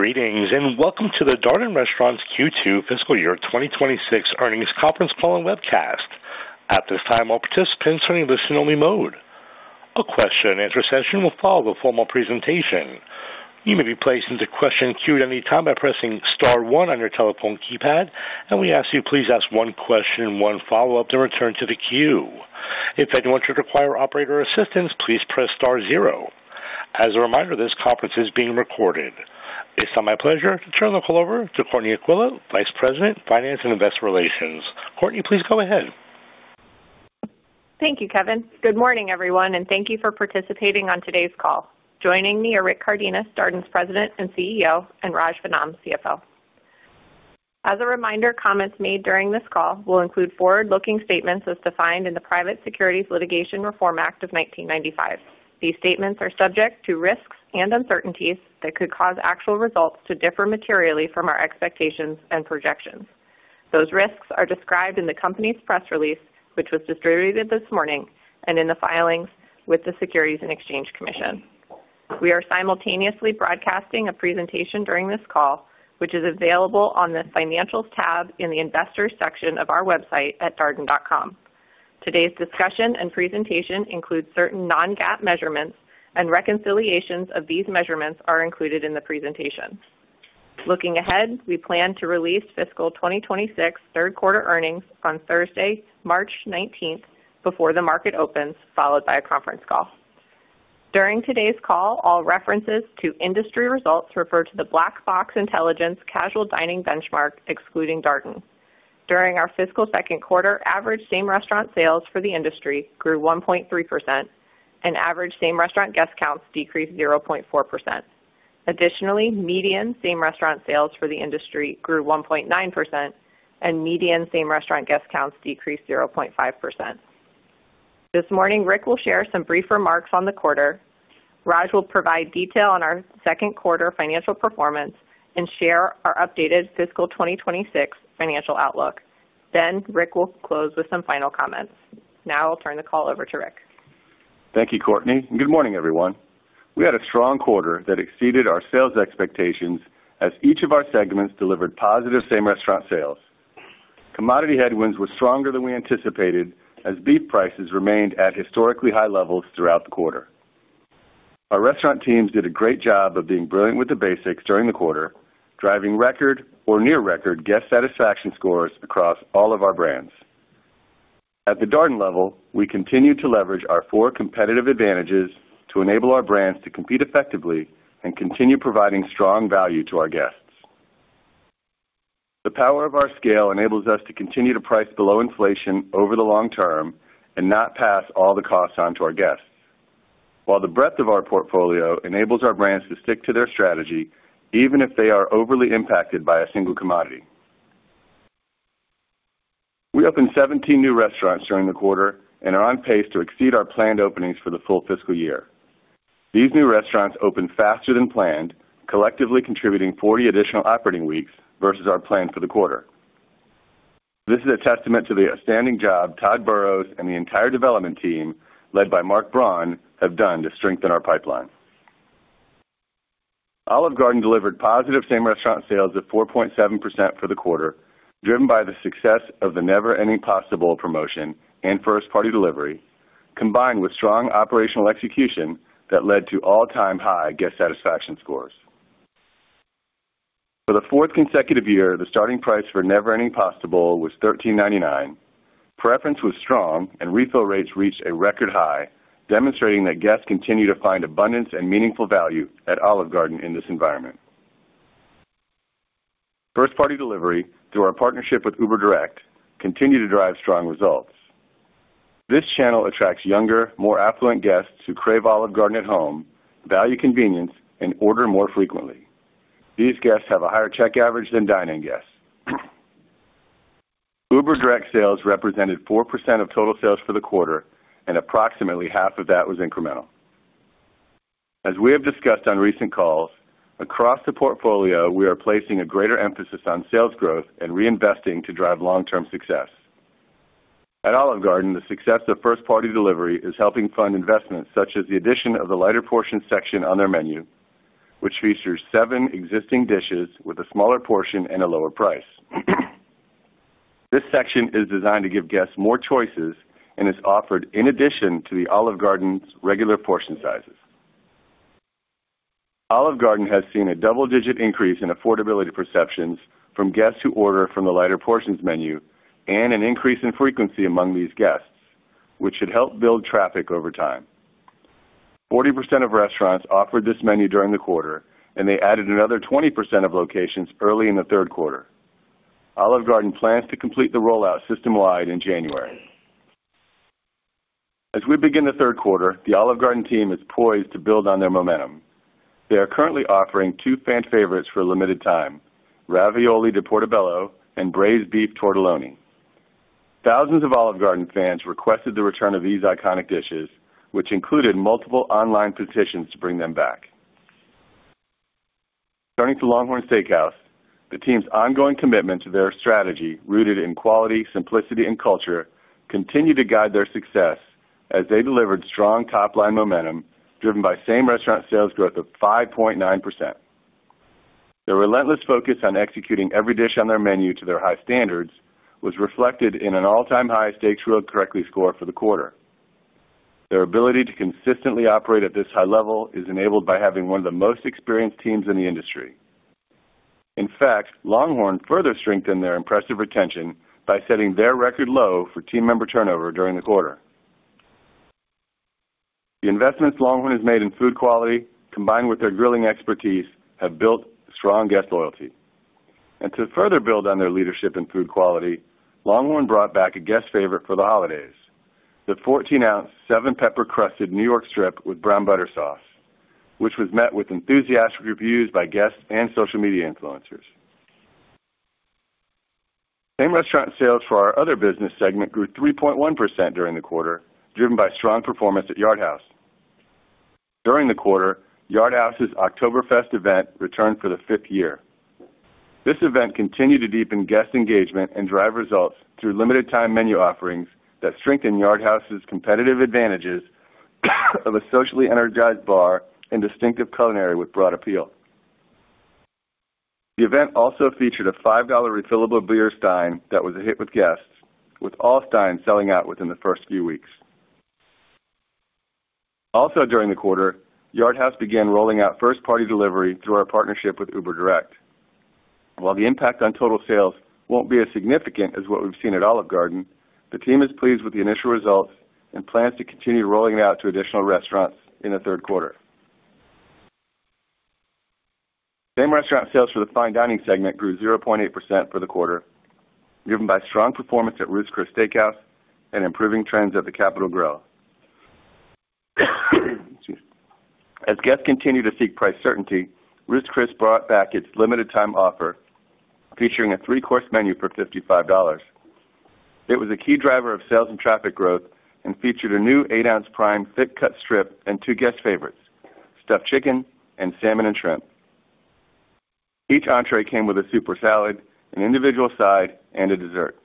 Greetings and welcome to the Darden Restaurants Q2 FY26 Earnings Conference Call and Webcast. At this time, all participants are in listen-only mode. A question-and-answer session will follow the formal presentation. You may be placed into the question queue at any time by pressing star one on your telephone keypad, and we ask that you please ask one question, one follow-up, and return to the queue. If anyone should require operator assistance, please press star zero. As a reminder, this conference is being recorded. It's now my pleasure to turn the call over to Courtney Aquila, Vice President, Finance and Investor Relations. Courtney, please go ahead. Thank you, Kevin. Good morning, everyone, and thank you for participating on today's call. Joining me are Rick Cardenas, Darden's President and CEO, and Raj Vennam, CFO. As a reminder, comments made during this call will include forward-looking statements as defined in the Private Securities Litigation Reform Act of 1995. These statements are subject to risks and uncertainties that could cause actual results to differ materially from our expectations and projections. Those risks are described in the company's press release, which was distributed this morning, and in the filings with the Securities and Exchange Commission. We are simultaneously broadcasting a presentation during this call, which is available on the Financials tab in the Investors section of our website at darden.com. Today's discussion and presentation include certain non-GAAP measurements, and reconciliations of these measurements are included in the presentation. Looking ahead, we plan to release fiscal 2026 third-quarter earnings on Thursday, March 19th, before the market opens, followed by a conference call. During today's call, all references to industry results refer to the Black Box Intelligence casual dining benchmark, excluding Darden. During our fiscal second quarter, average same restaurant sales for the industry grew 1.3%, and average same restaurant guest counts decreased 0.4%. Additionally, median same restaurant sales for the industry grew 1.9%, and median same restaurant guest counts decreased 0.5%. This morning, Rick will share some brief remarks on the quarter. Raj will provide detail on our second quarter financial performance and share our updated fiscal 2026 financial outlook. Then Rick will close with some final comments. Now I'll turn the call over to Rick. Thank you, Courtney. Good morning, everyone. We had a strong quarter that exceeded our sales expectations as each of our segments delivered positive same restaurant sales. Commodity headwinds were stronger than we anticipated as beef prices remained at historically high levels throughout the quarter. Our restaurant teams did a great job of being brilliant with the basics during the quarter, driving record or near-record guest satisfaction scores across all of our brands. At the Darden level, we continue to leverage our four competitive advantages to enable our brands to compete effectively and continue providing strong value to our guests. The power of our scale enables us to continue to price below inflation over the long term and not pass all the costs on to our guests, while the breadth of our portfolio enables our brands to stick to their strategy even if they are overly impacted by a single commodity. We opened 17 new restaurants during the quarter and are on pace to exceed our planned openings for the full fiscal year. These new restaurants opened faster than planned, collectively contributing 40 additional operating weeks versus our plan for the quarter. This is a testament to the outstanding job Todd Burrows and the entire development team, led by Mark Braun, have done to strengthen our pipeline. Olive Garden delivered positive same restaurant sales of 4.7% for the quarter, driven by the success of the Never Ending Pasta Bowl promotion and first-party delivery, combined with strong operational execution that led to all-time high guest satisfaction scores. For the fourth consecutive year, the starting price for Never Ending Pasta Bowl was $13.99. Preference was strong, and refill rates reached a record high, demonstrating that guests continue to find abundance and meaningful value at Olive Garden in this environment. First-party delivery, through our partnership with Uber Direct, continues to drive strong results. This channel attracts younger, more affluent guests who crave Olive Garden at home, value convenience, and order more frequently. These guests have a higher check average than dine-in guests. Uber Direct sales represented 4% of total sales for the quarter, and approximately half of that was incremental. As we have discussed on recent calls, across the portfolio, we are placing a greater emphasis on sales growth and reinvesting to drive long-term success. At Olive Garden, the success of first-party delivery is helping fund investments such as the addition of the lighter portion section on their menu, which features seven existing dishes with a smaller portion and a lower price. This section is designed to give guests more choices and is offered in addition to the Olive Garden's regular portion sizes. Olive Garden has seen a double-digit increase in affordability perceptions from guests who order from the lighter portions menu and an increase in frequency among these guests, which should help build traffic over time. 40% of restaurants offered this menu during the quarter, and they added another 20% of locations early in the third quarter. Olive Garden plans to complete the rollout system-wide in January. As we begin the third quarter, the Olive Garden team is poised to build on their momentum. They are currently offering two fan favorites for a limited time: Ravioli di Portobello and Braised Beef Tortelloni. Thousands of Olive Garden fans requested the return of these iconic dishes, which included multiple online petitions to bring them back. Turning to LongHorn Steakhouse, the team's ongoing commitment to their strategy, rooted in quality, simplicity, and culture, continued to guide their success as they delivered strong top-line momentum driven by same restaurant sales growth of 5.9%. Their relentless focus on executing every dish on their menu to their high standards was reflected in an all-time high Steak's World Correctly score for the quarter. Their ability to consistently operate at this high level is enabled by having one of the most experienced teams in the industry. In fact, LongHorn further strengthened their impressive retention by setting their record low for team member turnover during the quarter. The investments LongHorn has made in food quality, combined with their grilling expertise, have built strong guest loyalty. To further build on their leadership in food quality, LongHorn brought back a guest favorite for the holidays, the 14-ounce, seven-pepper-crusted New York strip with brown butter sauce, which was met with enthusiastic reviews by guests and social media influencers. Same-restaurant sales for our other business segment grew 3.1% during the quarter, driven by strong performance at Yard House. During the quarter, Yard House's Oktoberfest event returned for the fifth year. This event continued to deepen guest engagement and drive results through limited-time menu offerings that strengthen Yard House's competitive advantages of a socially energized bar and distinctive culinary with broad appeal. The event also featured a $5 refillable beer stein that was a hit with guests, with all steins selling out within the first few weeks. Also during the quarter, Yard House began rolling out first-party delivery through our partnership with Uber Direct. While the impact on total sales won't be as significant as what we've seen at Olive Garden, the team is pleased with the initial results and plans to continue rolling it out to additional restaurants in the third quarter. Same-restaurant sales for the fine dining segment grew 0.8% for the quarter, driven by strong performance at Ruth's Chris Steak House and improving trends at The Capital Grille. As guests continue to seek price certainty, Ruth's Chris brought back its limited-time offer, featuring a three-course menu for $55. It was a key driver of sales and traffic growth and featured a new eight-ounce prime thick-cut strip and two guest favorites: stuffed chicken and salmon and shrimp. Each entrée came with a soup or salad, an individual side, and a dessert.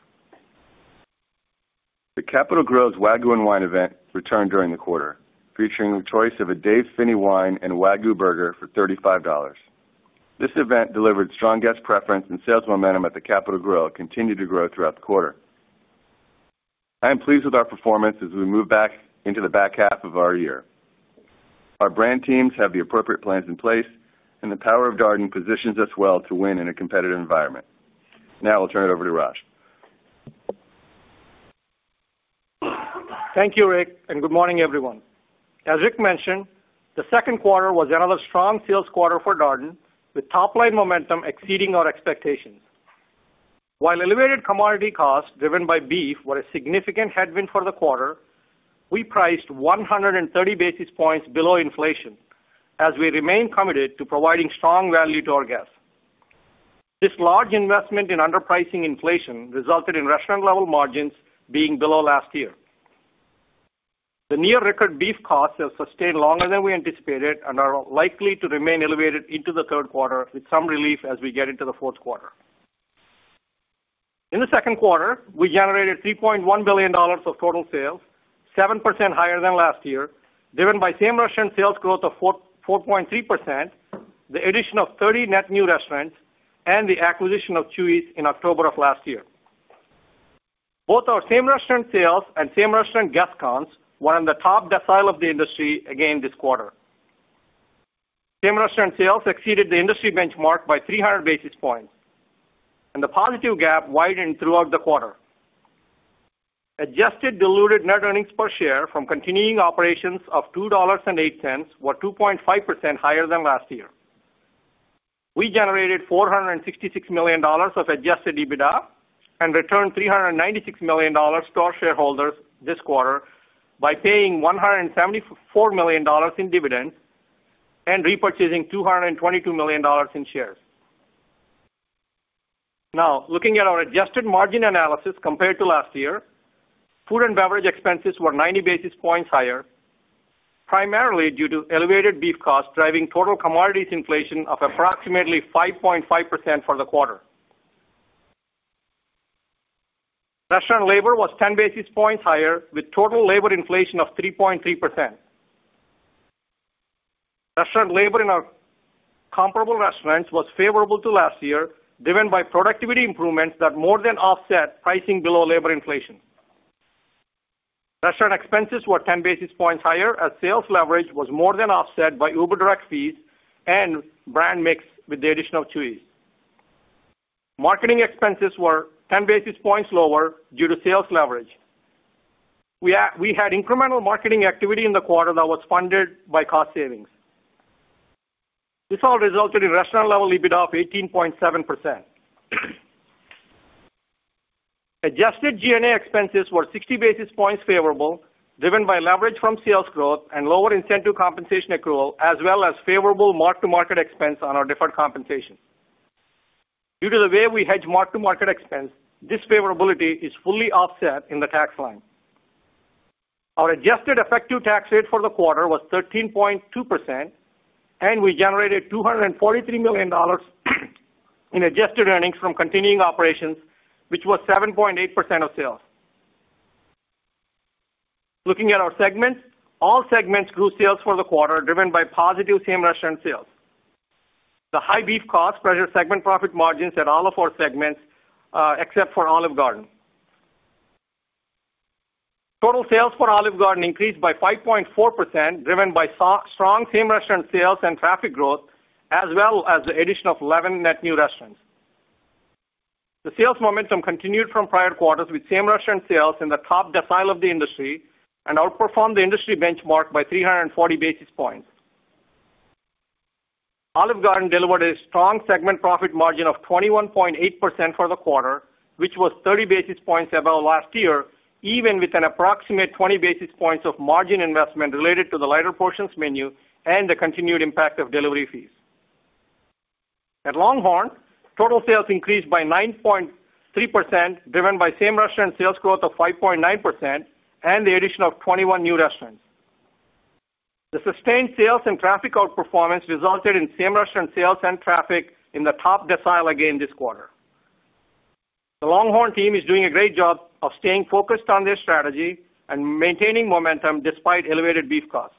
The Capital Grille's Wagyu and Wine event returned during the quarter, featuring a choice of a Dave Phinney wine and Wagyu burger for $35. This event delivered strong guest preference, and sales momentum at The Capital Grille continued to grow throughout the quarter. I am pleased with our performance as we move back into the back half of our year. Our brand teams have the appropriate plans in place, and the power of Darden positions us well to win in a competitive environment. Now I'll turn it over to Raj. Thank you, Rick, and good morning, everyone. As Rick mentioned, the second quarter was another strong sales quarter for Darden, with top-line momentum exceeding our expectations. While elevated commodity costs driven by beef were a significant headwind for the quarter, we priced 130 basis points below inflation as we remain committed to providing strong value to our guests. This large investment in underpricing inflation resulted in restaurant-level margins being below last year. The near-record beef costs have sustained longer than we anticipated and are likely to remain elevated into the third quarter, with some relief as we get into the fourth quarter. In the second quarter, we generated $3.1 billion of total sales, 7% higher than last year, driven by same restaurant sales growth of 4.3%, the addition of 30 net new restaurants, and the acquisition of Chuy's in October of last year. Both our same restaurant sales and same restaurant guest counts were on the top decile of the industry again this quarter. Same restaurant sales exceeded the industry benchmark by 300 basis points, and the positive gap widened throughout the quarter. Adjusted diluted net earnings per share from continuing operations of $2.08 were 2.5% higher than last year. We generated $466 million of Adjusted EBITDA and returned $396 million to our shareholders this quarter by paying $174 million in dividends and repurchasing $222 million in shares. Now, looking at our adjusted margin analysis compared to last year, food and beverage expenses were 90 basis points higher, primarily due to elevated beef costs driving total commodities inflation of approximately 5.5% for the quarter. Restaurant labor was 10 basis points higher, with total labor inflation of 3.3%. Restaurant labor in our comparable restaurants was favorable to last year, driven by productivity improvements that more than offset pricing below labor inflation. Restaurant expenses were 10 basis points higher as sales leverage was more than offset by Uber Direct fees and brand mix with the addition of Chuy's. Marketing expenses were 10 basis points lower due to sales leverage. We had incremental marketing activity in the quarter that was funded by cost savings. This all resulted in restaurant-level EBITDA of 18.7%. Adjusted G&A expenses were 60 basis points favorable, driven by leverage from sales growth and lower incentive compensation accrual, as well as favorable mark-to-market expense on our deferred compensation. Due to the way we hedge mark-to-market expense, this favorability is fully offset in the tax line. Our adjusted effective tax rate for the quarter was 13.2%, and we generated $243 million in adjusted earnings from continuing operations, which was 7.8% of sales. Looking at our segments, all segments grew sales for the quarter driven by positive same restaurant sales. The high beef costs pressured segment profit margins at all of our segments except for Olive Garden. Total sales for Olive Garden increased by 5.4%, driven by strong same restaurant sales and traffic growth, as well as the addition of 11 net new restaurants. The sales momentum continued from prior quarters, with same restaurant sales in the top decile of the industry and outperformed the industry benchmark by 340 basis points. Olive Garden delivered a strong segment profit margin of 21.8% for the quarter, which was 30 basis points above last year, even with an approximate 20 basis points of margin investment related to the lighter portions menu and the continued impact of delivery fees. At LongHorn, total sales increased by 9.3%, driven by same restaurant sales growth of 5.9% and the addition of 21 new restaurants. The sustained sales and traffic outperformance resulted in same restaurant sales and traffic in the top decile again this quarter. The LongHorn team is doing a great job of staying focused on their strategy and maintaining momentum despite elevated beef costs.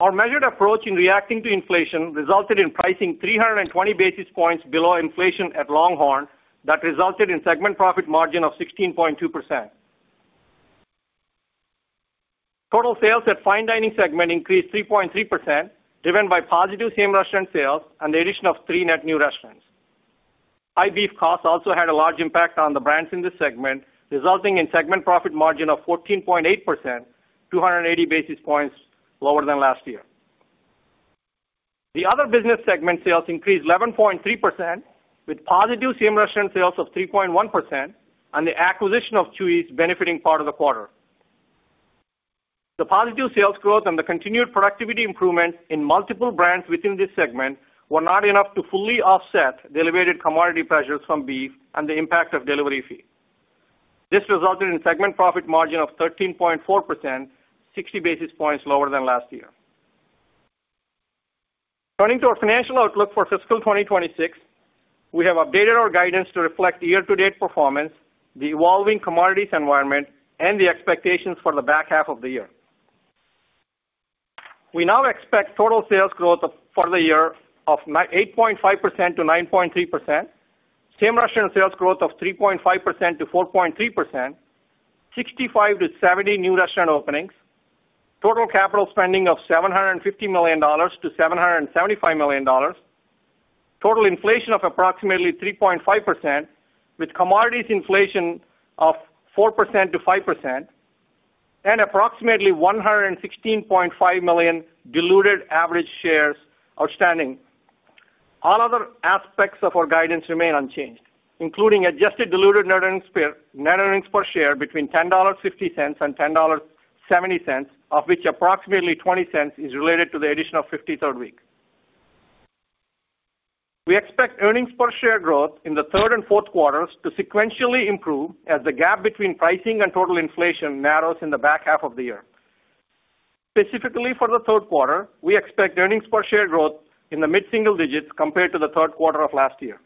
Our measured approach in reacting to inflation resulted in pricing 320 basis points below inflation at LongHorn. That resulted in segment profit margin of 16.2%. Total sales at fine dining segment increased 3.3%, driven by positive same-restaurant sales and the addition of three net new restaurants. High beef costs also had a large impact on the brands in this segment, resulting in segment profit margin of 14.8%, 280 basis points lower than last year. The other business segment sales increased 11.3%, with positive same-restaurant sales of 3.1% and the acquisition of Chuy's benefiting part of the quarter. The positive sales growth and the continued productivity improvements in multiple brands within this segment were not enough to fully offset the elevated commodity pressures from beef and the impact of delivery fee. This resulted in segment profit margin of 13.4%, 60 basis points lower than last year. Turning to our financial outlook for fiscal 2026, we have updated our guidance to reflect year-to-date performance, the evolving commodities environment, and the expectations for the back half of the year. We now expect total sales growth for the year of 8.5%-9.3%, same restaurant sales growth of 3.5%-4.3%, 65-70 new restaurant openings, total capital spending of $750 million-$775 million, total inflation of approximately 3.5%, with commodities inflation of 4%-5%, and approximately 116.5 million diluted average shares outstanding. All other aspects of our guidance remain unchanged, including adjusted diluted net earnings per share between $10.50-$10.70, of which approximately $0.20 is related to the addition of 53rd week. We expect earnings per share growth in the third and fourth quarters to sequentially improve as the gap between pricing and total inflation narrows in the back half of the year. Specifically for the third quarter, we expect earnings per share growth in the mid-single digits compared to the third quarter of last year.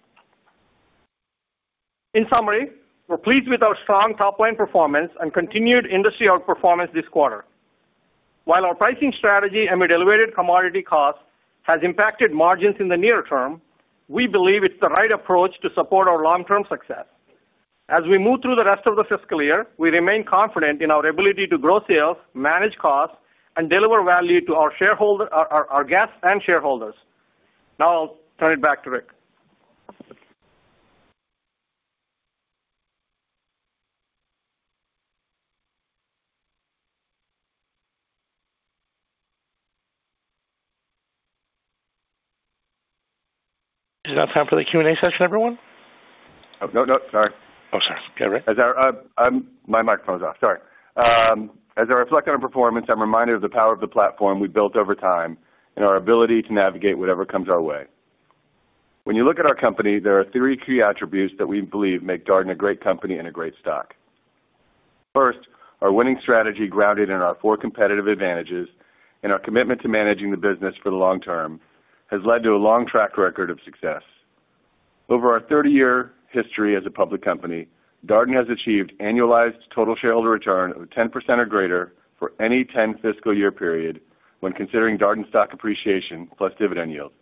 In summary, we're pleased with our strong top-line performance and continued industry outperformance this quarter. While our pricing strategy amid elevated commodity costs has impacted margins in the near term, we believe it's the right approach to support our long-term success. As we move through the rest of the fiscal year, we remain confident in our ability to grow sales, manage costs, and deliver value to our guests and shareholders. Now I'll turn it back to Rick. Is that time for the Q&A session, everyone? Oh, no, no. Sorry. Oh, sorry. Okay, Rick. My microphone's off. Sorry. As I reflect on our performance, I'm reminded of the power of the platform we've built over time and our ability to navigate whatever comes our way. When you look at our company, there are three key attributes that we believe make Darden a great company and a great stock. First, our winning strategy grounded in our four competitive advantages and our commitment to managing the business for the long term has led to a long track record of success. Over our 30-year history as a public company, Darden has achieved annualized total shareholder return of 10% or greater for any 10 fiscal year period when considering Darden stock appreciation plus dividend yield.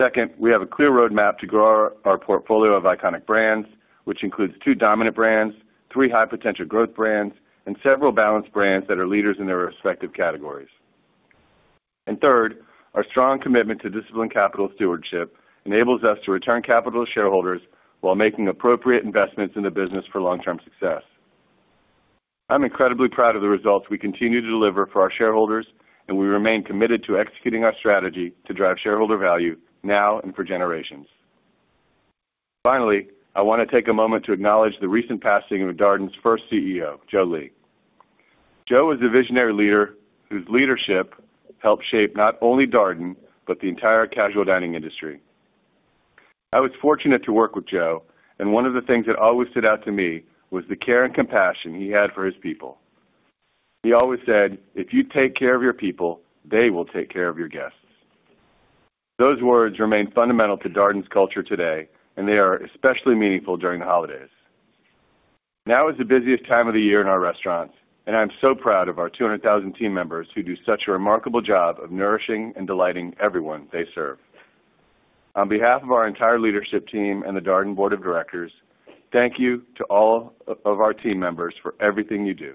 Second, we have a clear roadmap to grow our portfolio of iconic brands, which includes two dominant brands, three high-potential growth brands, and several balanced brands that are leaders in their respective categories. Third, our strong commitment to disciplined capital stewardship enables us to return capital to shareholders while making appropriate investments in the business for long-term success. I'm incredibly proud of the results we continue to deliver for our shareholders, and we remain committed to executing our strategy to drive shareholder value now and for generations. Finally, I want to take a moment to acknowledge the recent passing of Darden's first CEO, Joe Lee. Joe was a visionary leader whose leadership helped shape not only Darden, but the entire casual dining industry. I was fortunate to work with Joe, and one of the things that always stood out to me was the care and compassion he had for his people. He always said, "If you take care of your people, they will take care of your guests." Those words remain fundamental to Darden's culture today, and they are especially meaningful during the holidays. Now is the busiest time of the year in our restaurants, and I'm so proud of our 200,000 team members who do such a remarkable job of nourishing and delighting everyone they serve. On behalf of our entire leadership team and the Darden Board of Directors, thank you to all of our team members for everything you do.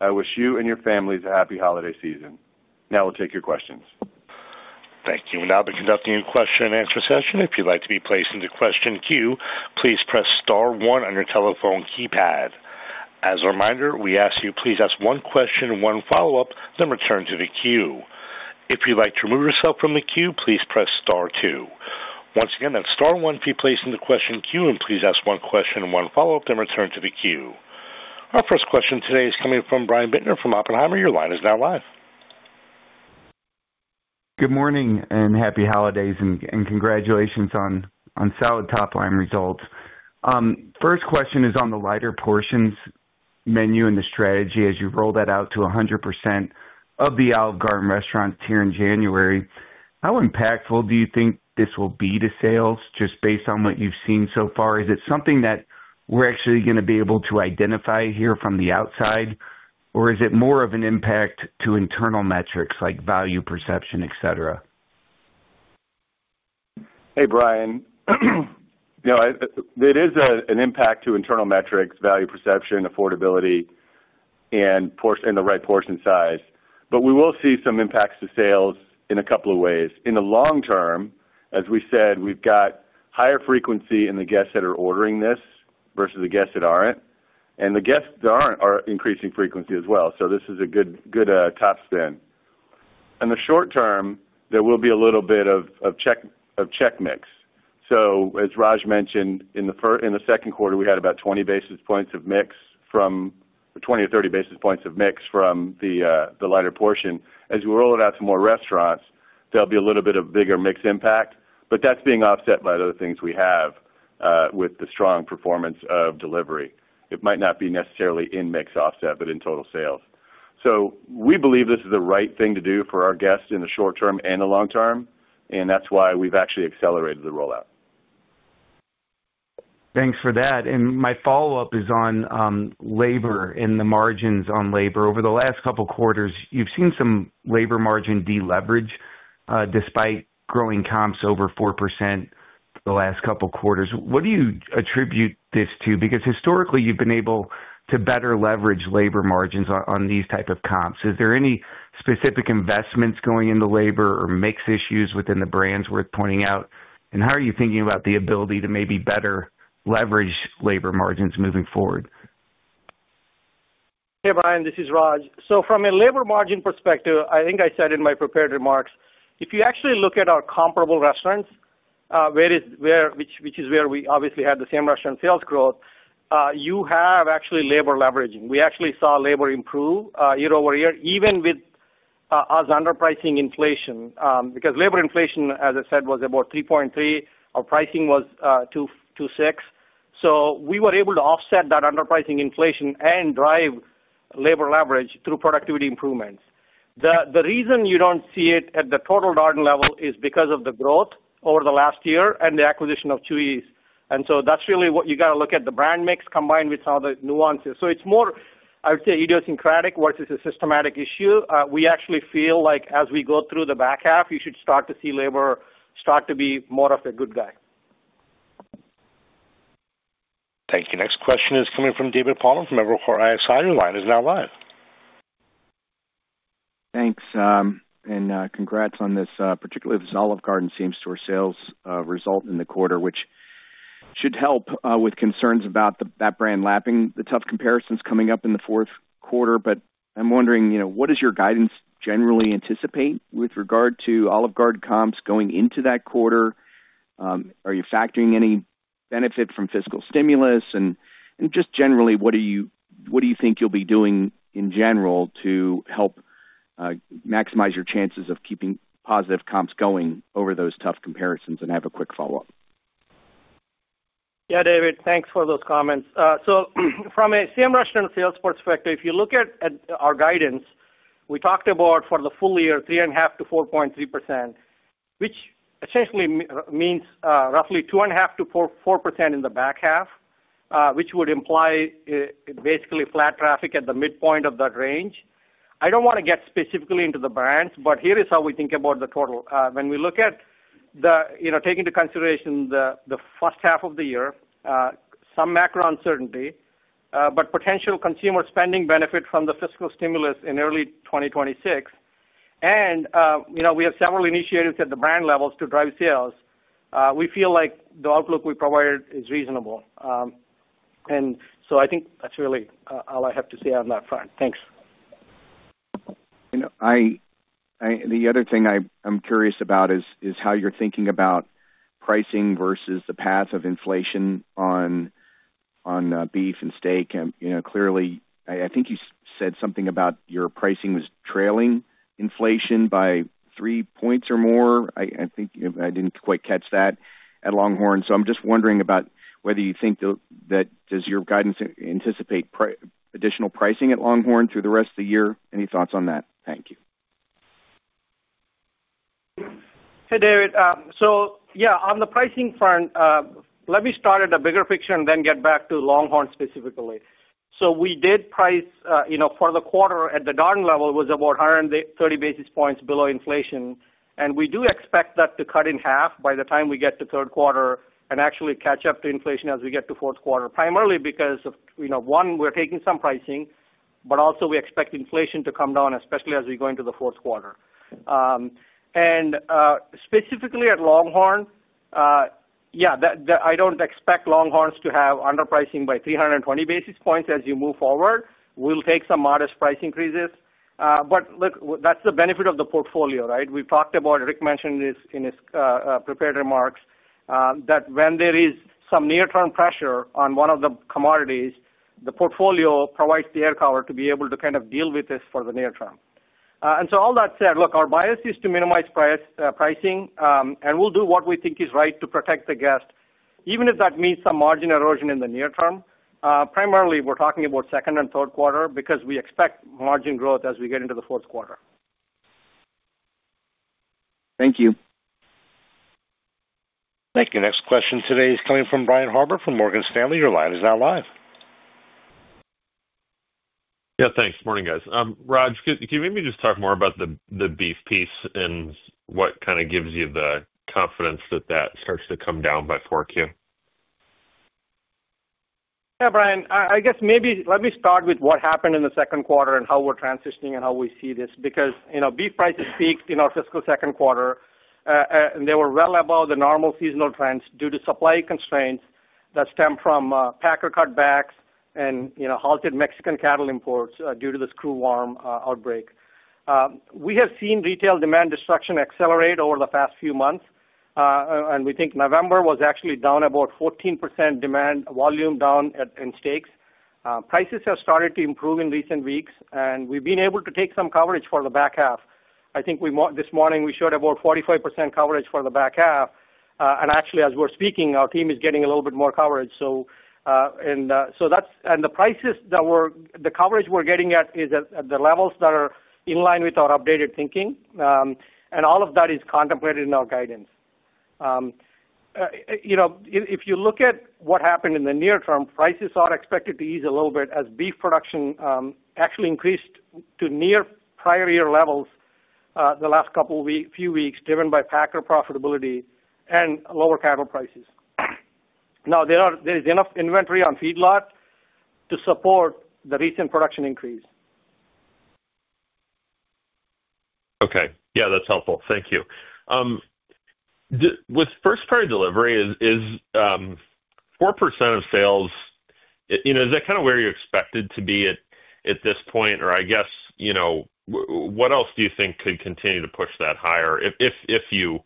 I wish you and your families a happy holiday season. Now we'll take your questions. Thank you. We'll now be conducting a question-and-answer session. If you'd like to be placed into question queue, please press star one on your telephone keypad. As a reminder, we ask you to please ask one question and one follow-up, then return to the queue. If you'd like to remove yourself from the queue, please press star two. Once again, that's star one, please place into question queue, and please ask one question and one follow-up, then return to the queue. Our first question today is coming from Brian Bittner from Oppenheimer. Your line is now live. Good morning and happy holidays, and congratulations on solid top-line results. First question is on the lighter portions menu and the strategy as you roll that out to 100% of the Olive Garden restaurants here in January. How impactful do you think this will be to sales, just based on what you've seen so far? Is it something that we're actually going to be able to identify here from the outside, or is it more of an impact to internal metrics like value perception, etc.? Hey, Brian. It is an impact to internal metrics, value perception, affordability, and the right portion size. But we will see some impacts to sales in a couple of ways. In the long term, as we said, we've got higher frequency in the guests that are ordering this versus the guests that aren't. And the guests that aren't are increasing frequency as well. So this is a good top spin. In the short term, there will be a little bit of check mix. So as Raj mentioned, in the second quarter, we had about 20 basis points of mix from 20 or 30 basis points of mix from the lighter portion. As we roll it out to more restaurants, there'll be a little bit of bigger mix impact, but that's being offset by other things we have with the strong performance of delivery. It might not be necessarily in mix offset, but in total sales. So we believe this is the right thing to do for our guests in the short term and the long term, and that's why we've actually accelerated the rollout. Thanks for that. And my follow-up is on labor and the margins on labor. Over the last couple of quarters, you've seen some labor margin deleverage despite growing comps over 4% the last couple of quarters. What do you attribute this to? Because historically, you've been able to better leverage labor margins on these types of comps. Is there any specific investments going into labor or mix issues within the brands worth pointing out? And how are you thinking about the ability to maybe better leverage labor margins moving forward? Hey, Brian. This is Raj. So from a labor margin perspective, I think I said in my prepared remarks, if you actually look at our comparable restaurants, which is where we obviously had the same restaurant sales growth, you have actually labor leveraging. We actually saw labor improve year over year, even with us underpricing inflation. Because labor inflation, as I said, was about 3.3%. Our pricing was 2.6%. So we were able to offset that underpricing inflation and drive labor leverage through productivity improvements. The reason you don't see it at the total Darden level is because of the growth over the last year and the acquisition of Chuy's. And so that's really what you got to look at, the brand mix combined with some of the nuances. So it's more, I would say, idiosyncratic versus a systematic issue. We actually feel like as we go through the back half, you should start to see labor start to be more of a good guy. Thank you. Next question is coming from David Palmer from Evercore ISI. Your line is now live. Thanks. And congrats on this, particularly this Olive Garden Same Store sales result in the quarter, which should help with concerns about that brand lapping. The tough comparison's coming up in the fourth quarter, but I'm wondering, what does your guidance generally anticipate with regard to Olive Garden comps going into that quarter? Are you factoring any benefit from fiscal stimulus? And just generally, what do you think you'll be doing in general to help maximize your chances of keeping positive comps going over those tough comparisons? And I have a quick follow-up. Yeah, David, thanks for those comments. So from a same-restaurant sales perspective, if you look at our guidance, we talked about for the full year, 3.5%-4.3%, which essentially means roughly 2.5%-4% in the back half, which would imply basically flat traffic at the midpoint of that range. I don't want to get specifically into the brands, but here is how we think about the total. When we look at taking into consideration the first half of the year, some macro uncertainty, but potential consumer spending benefit from the fiscal stimulus in early 2026, and we have several initiatives at the brand levels to drive sales. We feel like the outlook we provided is reasonable. So I think that's really all I have to say on that front. Thanks. The other thing I'm curious about is how you're thinking about pricing versus the path of inflation on beef and steak, and clearly, I think you said something about your pricing was trailing inflation by three points or more. I think I didn't quite catch that at LongHorn, so I'm just wondering about whether you think that, does your guidance anticipate additional pricing at LongHorn through the rest of the year? Any thoughts on that? Thank you. Hey, David. So yeah, on the pricing front, let me start at a bigger picture and then get back to LongHorn specifically. So we did price for the quarter at the Darden level was about 130 basis points below inflation. And we do expect that to cut in half by the time we get to third quarter and actually catch up to inflation as we get to fourth quarter, primarily because of one, we're taking some pricing, but also we expect inflation to come down, especially as we go into the fourth quarter. And specifically at LongHorn, yeah, I don't expect LongHorn's to have underpricing by 320 basis points as you move forward. We'll take some modest price increases. But look, that's the benefit of the portfolio, right? We've talked about Rick mentioning this in his prepared remarks, that when there is some near-term pressure on one of the commodities, the portfolio provides the air cover to be able to kind of deal with this for the near term. All that said, look, our bias is to minimize pricing, and we'll do what we think is right to protect the guest, even if that means some margin erosion in the near term. Primarily, we're talking about second and third quarter because we expect margin growth as we get into the fourth quarter. Thank you. Thank you. Next question today is coming from Brian Harbour from Morgan Stanley. Your line is now live. Yeah, thanks. Morning, guys. Raj, can you maybe just talk more about the beef piece and what kind of gives you the confidence that that starts to come down by 4Q? Yeah, Brian, I guess maybe let me start with what happened in the second quarter and how we're transitioning and how we see this. Because beef prices peaked in our fiscal second quarter, and they were well above the normal seasonal trends due to supply constraints that stem from packer cutbacks and halted Mexican cattle imports due to the screw worm outbreak. We have seen retail demand destruction accelerate over the past few months, and we think November was actually down about 14% demand volume down in steaks. Prices have started to improve in recent weeks, and we've been able to take some coverage for the back half. I think this morning we showed about 45% coverage for the back half. And actually, as we're speaking, our team is getting a little bit more coverage. So that's the prices that were the coverage we're getting at is at the levels that are in line with our updated thinking, and all of that is contemplated in our guidance. If you look at what happened in the near term, prices are expected to ease a little bit as beef production actually increased to near prior year levels the last couple of weeks, driven by packer profitability and lower cattle prices. Now, there is enough inventory on feedlot to support the recent production increase. Okay. Yeah, that's helpful. Thank you. With first-party delivery, is 4% of sales, is that kind of where you expected to be at this point? Or I guess, what else do you think could continue to push that higher if you,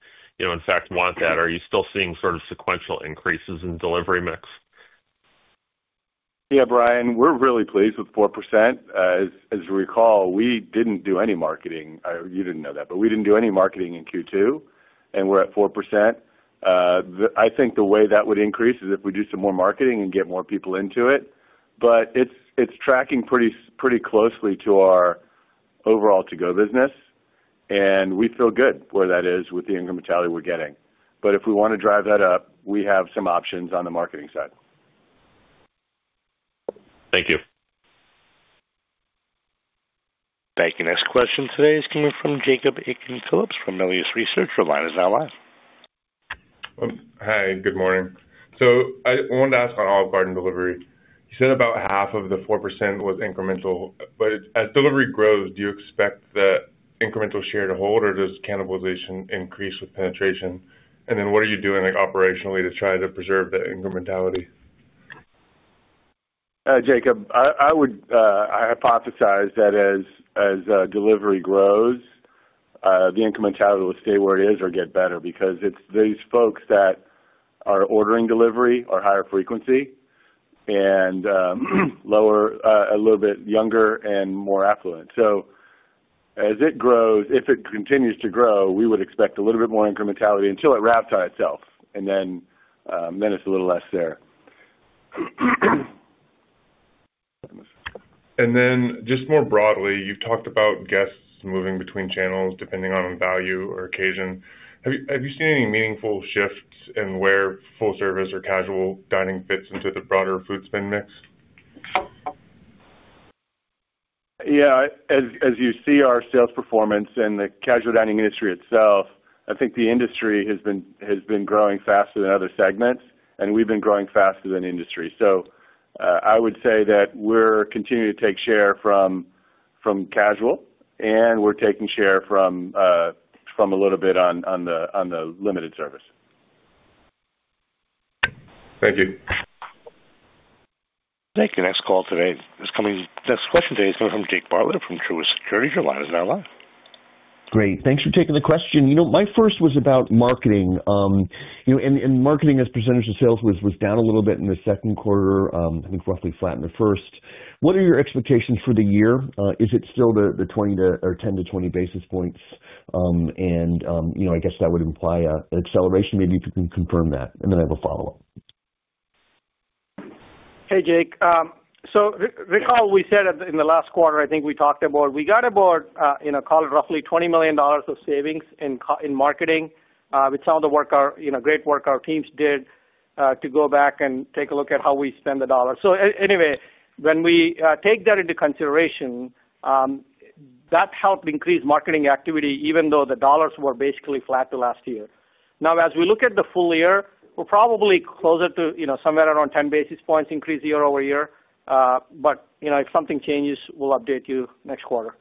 in fact, want that? Are you still seeing sort of sequential increases in delivery mix? Yeah, Brian, we're really pleased with 4%. As you recall, we didn't do any marketing. You didn't know that, but we didn't do any marketing in Q2, and we're at 4%. I think the way that would increase is if we do some more marketing and get more people into it. But it's tracking pretty closely to our overall-to-go business, and we feel good where that is with the incrementality we're getting. But if we want to drive that up, we have some options on the marketing side. Thank you. Thank you. Next question today is coming from Jacob Aiken-Phillips from Melius Research. Your line is now live. Hi, good morning. So I wanted to ask on Olive Garden delivery. You said about half of the 4% was incremental. But as delivery grows, do you expect the incremental share to hold, or does cannibalization increase with penetration? And then what are you doing operationally to try to preserve that incrementality? Jacob, I hypothesize that as delivery grows, the incrementality will stay where it is or get better because it's these folks that are ordering delivery are higher frequency and a little bit younger and more affluent. So as it grows, if it continues to grow, we would expect a little bit more incrementality until it wraps on itself, and then it's a little less there. And then just more broadly, you've talked about guests moving between channels depending on value or occasion. Have you seen any meaningful shifts in where full-service or casual dining fits into the broader food spend mix? Yeah. As you see our sales performance and the casual dining industry itself, I think the industry has been growing faster than other segments, and we've been growing faster than the industry. So I would say that we're continuing to take share from casual, and we're taking share from a little bit on the limited service. Thank you. Thank you. Next caller today. This question today is coming from Jake Bartlett from Truist Securities. Your line is now live. Great. Thanks for taking the question. My first was about marketing, and marketing as percentage of sales was down a little bit in the second quarter. I think roughly flat in the first. What are your expectations for the year? Is it still 10-20 basis points, and I guess that would imply an acceleration? Maybe if you can confirm that, and then I have a follow-up. Hey, Jake. So recall we said in the last quarter, I think we talked about we got about, in a call, roughly $20 million of savings in marketing with some of the great work our teams did to go back and take a look at how we spend the dollar. So anyway, when we take that into consideration, that helped increase marketing activity, even though the dollars were basically flat the last year. Now, as we look at the full year, we're probably closer to somewhere around 10 basis points increase year over year. But if something changes, we'll update you next quarter.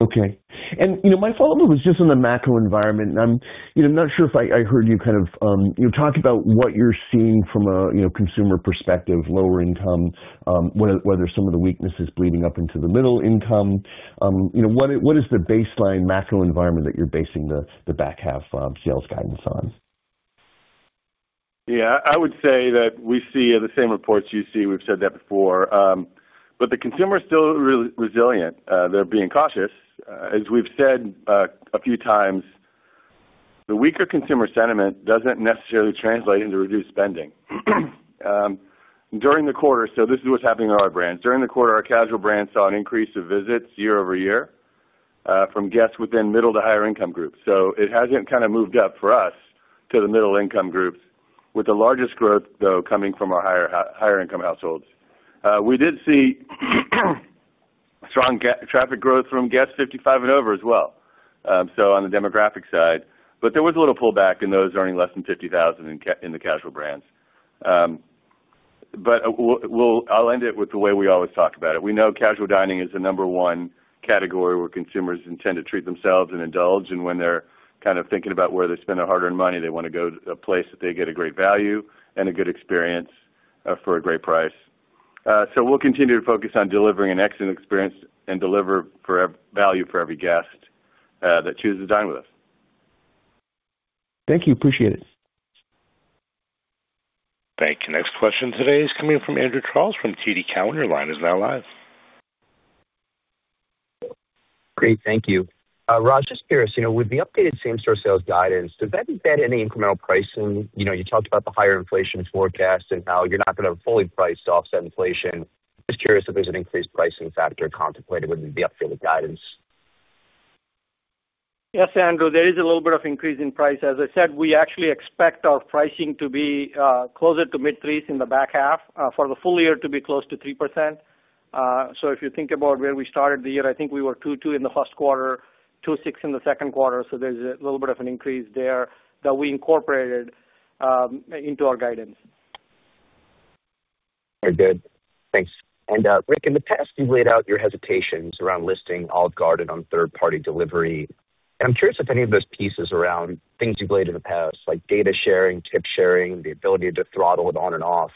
Okay. And my follow-up was just on the macro environment. I'm not sure if I heard you kind of talk about what you're seeing from a consumer perspective, lower income, whether some of the weakness is bleeding up into the middle income. What is the baseline macro environment that you're basing the back half sales guidance on? Yeah. I would say that we see the same reports you see. We've said that before. But the consumer is still resilient. They're being cautious. As we've said a few times, the weaker consumer sentiment doesn't necessarily translate into reduced spending. During the quarter, so this is what's happening in our brands, during the quarter, our casual brand saw an increase of visits year over year from guests within middle to higher income groups. So it hasn't kind of moved up for us to the middle income groups, with the largest growth, though, coming from our higher income households. We did see strong traffic growth from guests 55 and over as well, so on the demographic side. But there was a little pullback in those earning less than 50,000 in the casual brands. But I'll end it with the way we always talk about it. We know casual dining is the number one category where consumers intend to treat themselves and indulge. And when they're kind of thinking about where they spend their hard-earned money, they want to go to a place that they get a great value and a good experience for a great price. So we'll continue to focus on delivering an excellent experience and deliver value for every guest that chooses to dine with us. Thank you. Appreciate it. Thank you. Next question today is coming from Andrew Charles from TD Cowen. Your line is now live. Great. Thank you. Raj, just curious, with the updated same-restaurant sales guidance, does that embed any incremental pricing? You talked about the higher inflation forecast and how you're not going to fully price off that inflation. Just curious if there's an increased pricing factor contemplated with the updated guidance. Yes, Andrew. There is a little bit of increase in price. As I said, we actually expect our pricing to be closer to mid-threes in the back half for the full year to be close to 3%. So if you think about where we started the year, I think we were 2.2% in the first quarter, 2.6% in the second quarter. So there's a little bit of an increase there that we incorporated into our guidance. Very good. Thanks. And Rick, in the past, you've laid out your hesitations around listing Olive Garden on third-party delivery. And I'm curious if any of those pieces around things you've laid in the past, like data sharing, tip sharing, the ability to throttle it on and off,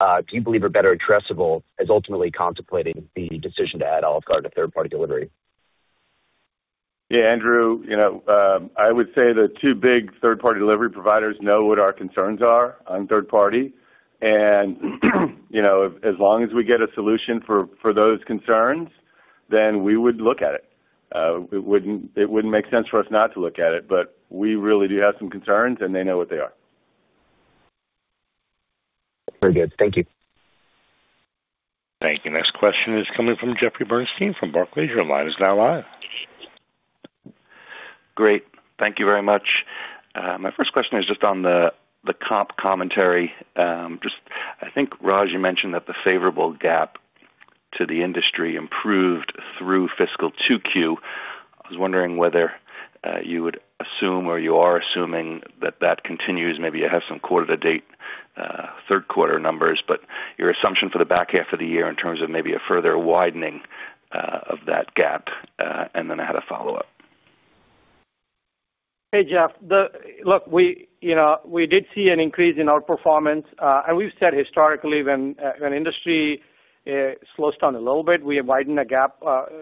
do you believe are better addressable as ultimately contemplating the decision to add Olive Garden to third-party delivery? Yeah, Andrew. I would say the two big third-party delivery providers know what our concerns are on third-party, and as long as we get a solution for those concerns, then we would look at it. It wouldn't make sense for us not to look at it, but we really do have some concerns, and they know what they are. Very good. Thank you. Thank you. Next question is coming from Jeffrey Bernstein from Barclays. Your line is now live. Great. Thank you very much. My first question is just on the comp commentary. I think, Raj, you mentioned that the favorable gap to the industry improved through fiscal 2Q. I was wondering whether you would assume or you are assuming that that continues. Maybe you have some quarter-to-date third-quarter numbers, but your assumption for the back half of the year in terms of maybe a further widening of that gap. And then I had a follow-up. Hey, Jeff. Look, we did see an increase in our performance, and we've said historically, when industry slows down a little bit, we widen the gap, but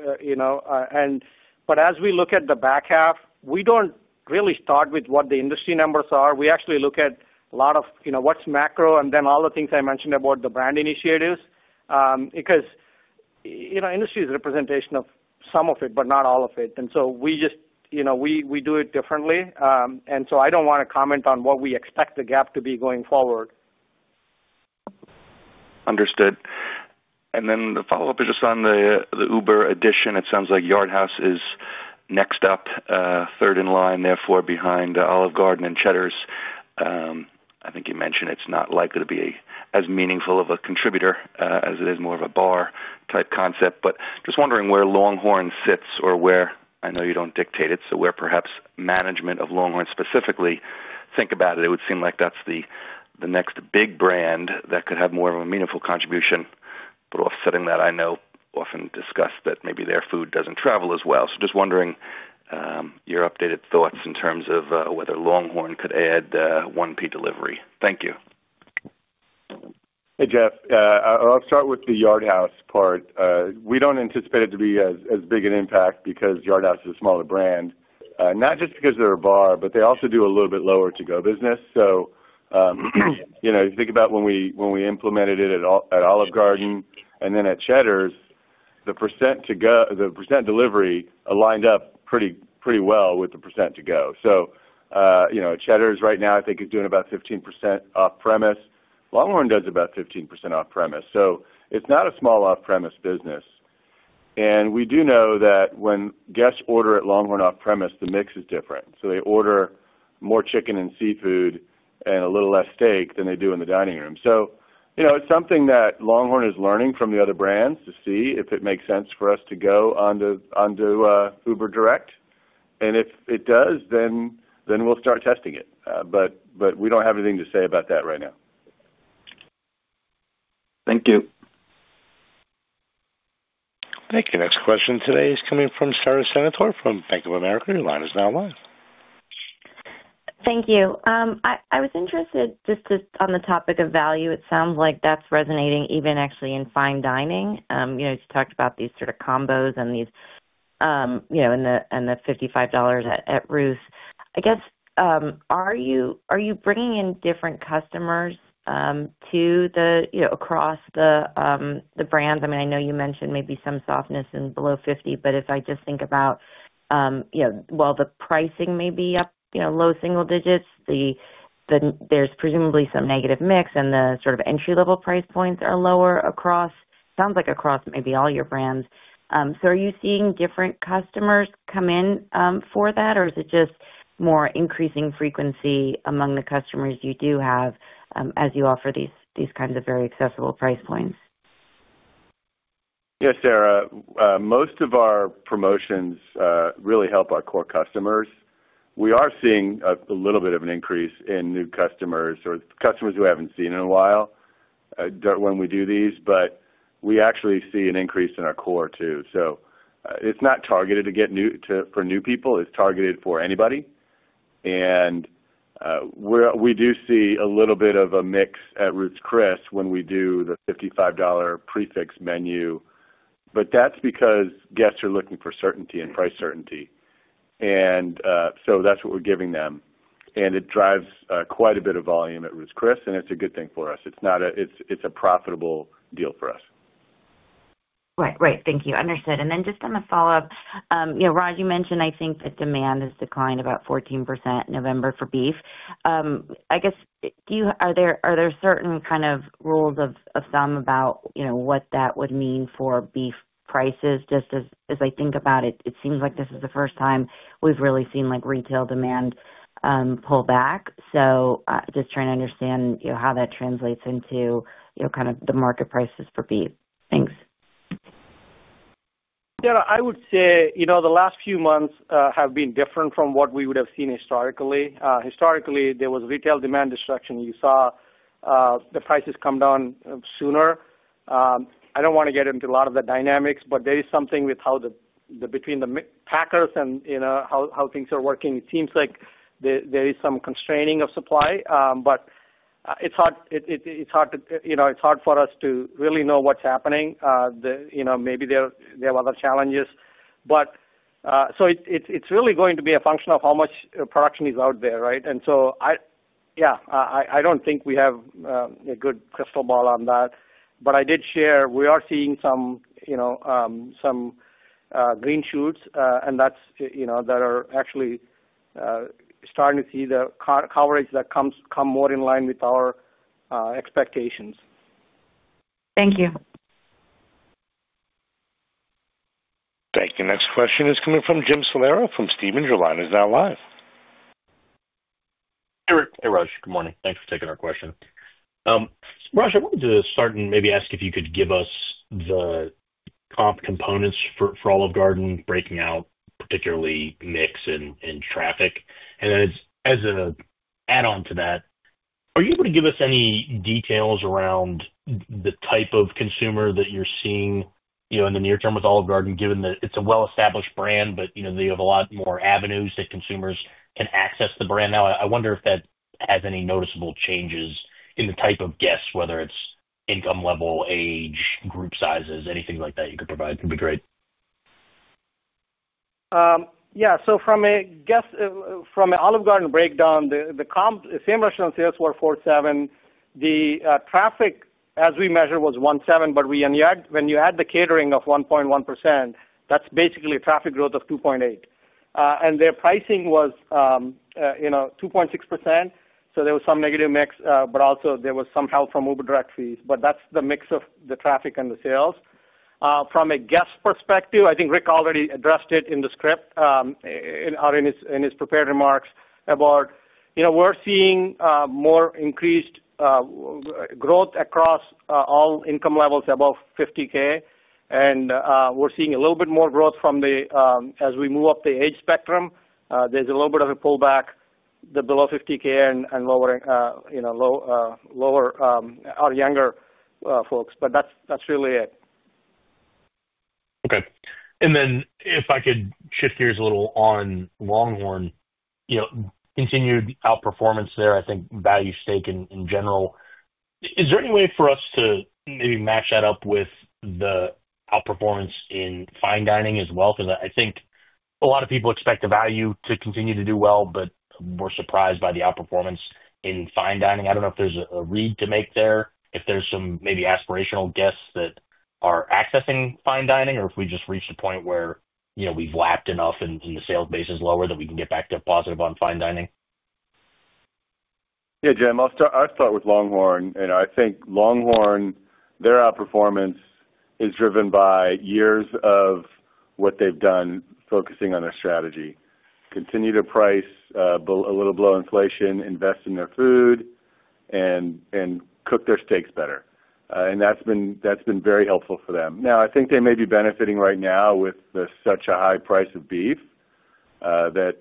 as we look at the back half, we don't really start with what the industry numbers are. We actually look at a lot of what's macro and then all the things I mentioned about the brand initiatives because industry is a representation of some of it, but not all of it, and so we do it differently, and so I don't want to comment on what we expect the gap to be going forward. Understood. And then the follow-up is just on the Uber addition. It sounds like Yard House is next up, third in line, therefore behind Olive Garden and Cheddar's. I think you mentioned it's not likely to be as meaningful of a contributor as it is more of a bar-type concept. But just wondering where LongHorn sits or where - I know you don't dictate it - so where perhaps management of LongHorn specifically think about it. It would seem like that's the next big brand that could have more of a meaningful contribution. But offsetting that, I know often discuss that maybe their food doesn't travel as well. So just wondering your updated thoughts in terms of whether LongHorn could add off-premise delivery. Thank you. Hey, Jeff. I'll start with the Yard House part. We don't anticipate it to be as big an impact because Yard House is a smaller brand, not just because they're a bar, but they also do a little bit lower-to-go business. So you think about when we implemented it at Olive Garden and then at Cheddar's, the percent delivery aligned up pretty well with the percent-to-go. So Cheddar's right now, I think, is doing about 15% off-premise. LongHorn does about 15% off-premise. So it's not a small off-premise business. And we do know that when guests order at LongHorn off-premise, the mix is different. So they order more chicken and seafood and a little less steak than they do in the dining room. So it's something that LongHorn is learning from the other brands to see if it makes sense for us to go onto Uber Direct. And if it does, then we'll start testing it. But we don't have anything to say about that right now. Thank you. Thank you. Next question today is coming from Sara Senatore from Bank of America. Your line is now live. Thank you. I was interested just on the topic of value. It sounds like that's resonating even actually in fine dining. You talked about these sort of combos and these and the $55 at Ruth's. I guess, are you bringing in different customers across the brands? I mean, I know you mentioned maybe some softness in below 50, but if I just think about, well, the pricing may be up low single digits, there's presumably some negative mix, and the sort of entry-level price points are lower across, sounds like across maybe all your brands. So are you seeing different customers come in for that, or is it just more increasing frequency among the customers you do have as you offer these kinds of very accessible price points? Yes, Sara. Most of our promotions really help our core customers. We are seeing a little bit of an increase in new customers or customers who haven't been in a while when we do these. But we actually see an increase in our core too. So it's not targeted for new people. It's targeted for anybody. And we do see a little bit of a mix at Ruth's Chris when we do the $55 prix fixe menu. But that's because guests are looking for certainty and price certainty. And so that's what we're giving them. And it drives quite a bit of volume at Ruth's Chris, and it's a good thing for us. It's a profitable deal for us. Right. Right. Thank you. Understood. And then just on the follow-up, Raj, you mentioned I think that demand has declined about 14% in November for beef. I guess, are there certain kind of rules of thumb about what that would mean for beef prices? Just as I think about it, it seems like this is the first time we've really seen retail demand pull back. So just trying to understand how that translates into kind of the market prices for beef. Thanks. Sara, I would say the last few months have been different from what we would have seen historically. Historically, there was retail demand destruction. You saw the prices come down sooner. I don't want to get into a lot of the dynamics, but there is something between the packers and how things are working. It seems like there is some constraining of supply. But it's hard for us to really know what's happening. Maybe there are other challenges. So it's really going to be a function of how much production is out there, right? And so, yeah, I don't think we have a good crystal ball on that. But I did share we are seeing some green shoots, and that's that we are actually starting to see the coverage come more in line with our expectations. Thank you. Thank you. Next question is coming from Jim Salera from Stephens. Your line is now live. Hey, Raj. Good morning. Thanks for taking our question. Raj, I wanted to start and maybe ask if you could give us the comp components for Olive Garden, breaking out particularly mix and traffic. And then as an add-on to that, are you able to give us any details around the type of consumer that you're seeing in the near term with Olive Garden, given that it's a well-established brand, but they have a lot more avenues that consumers can access the brand now? I wonder if that has any noticeable changes in the type of guests, whether it's income level, age, group sizes, anything like that you could provide would be great? Yeah. So from an Olive Garden breakdown, the same restaurant sales were 4.7%. The traffic, as we measured, was -1.7%, but when you add the catering of 1.1%, that's basically a traffic growth of 2.8%. And their pricing was 2.6%. So there was some negative mix, but also there was some help from Uber Direct fees. But that's the mix of the traffic and the sales. From a guest perspective, I think Rick already addressed it in the script or in his prepared remarks about we're seeing more increased growth across all income levels above 50K. And we're seeing a little bit more growth as we move up the age spectrum. There's a little bit of a pullback, the below 50K and lower our younger folks. But that's really it. Okay. And then if I could shift gears a little on LongHorn, continued outperformance there, I think value steak in general. Is there any way for us to maybe match that up with the outperformance in fine dining as well? Because I think a lot of people expect the value to continue to do well, but we're surprised by the outperformance in fine dining. I don't know if there's a read to make there, if there's some maybe aspirational guests that are accessing fine dining, or if we just reached a point where we've lapped enough and the sales base is lower that we can get back to positive on fine dining. Yeah, Jim. I'll start with LongHorn. I think LongHorn's outperformance is driven by years of what they've done, focusing on their strategy, continue to price a little below inflation, invest in their food, and cook their steaks better. That's been very helpful for them. Now, I think they may be benefiting right now with such a high price of beef that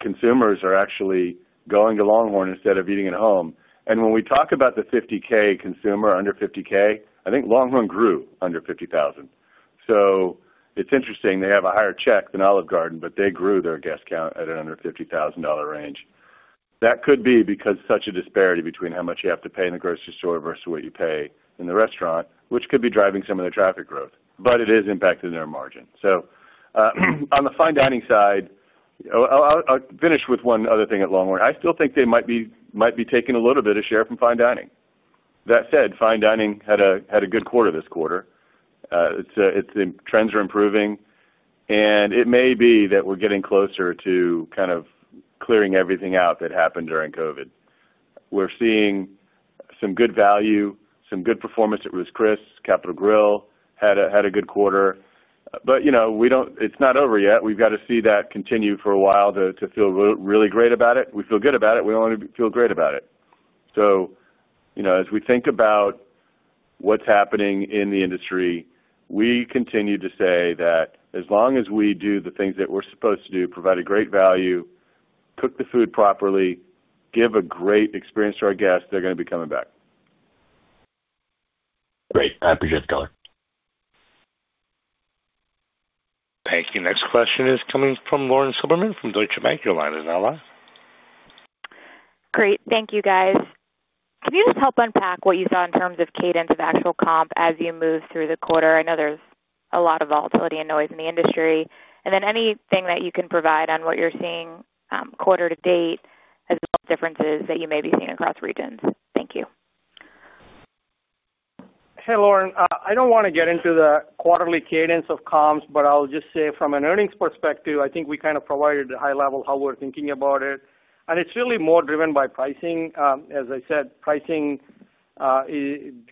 consumers are actually going to LongHorn instead of eating at home. When we talk about the 50K consumer under 50K, I think LongHorn grew under 50,000. It's interesting. They have a higher check than Olive Garden, but they grew their guest count at an under $50,000 range. That could be because of such a disparity between how much you have to pay in the grocery store versus what you pay in the restaurant, which could be driving some of their traffic growth. But it is impacting their margin. So on the fine dining side, I'll finish with one other thing at LongHorn. I still think they might be taking a little bit of share from fine dining. That said, fine dining had a good quarter this quarter. The trends are improving. And it may be that we're getting closer to kind of clearing everything out that happened during COVID. We're seeing some good value, some good performance at Ruth's Chris. Capital Grille had a good quarter. But it's not over yet. We've got to see that continue for a while to feel really great about it. We feel good about it. We only feel great about it. So as we think about what's happening in the industry, we continue to say that as long as we do the things that we're supposed to do, provide a great value, cook the food properly, give a great experience to our guests, they're going to be coming back. Great. I appreciate the color. Thank you. Next question is coming from Lauren Silberman from Deutsche Bank. Your line is now live. Great. Thank you, guys. Can you just help unpack what you saw in terms of cadence of actual comp as you move through the quarter? I know there's a lot of volatility and noise in the industry, and then anything that you can provide on what you're seeing quarter to date as well as differences that you may be seeing across regions. Thank you. Hey, Lauren. I don't want to get into the quarterly cadence of comps, but I'll just say from an earnings perspective, I think we kind of provided a high level of how we're thinking about it. And it's really more driven by pricing. As I said, pricing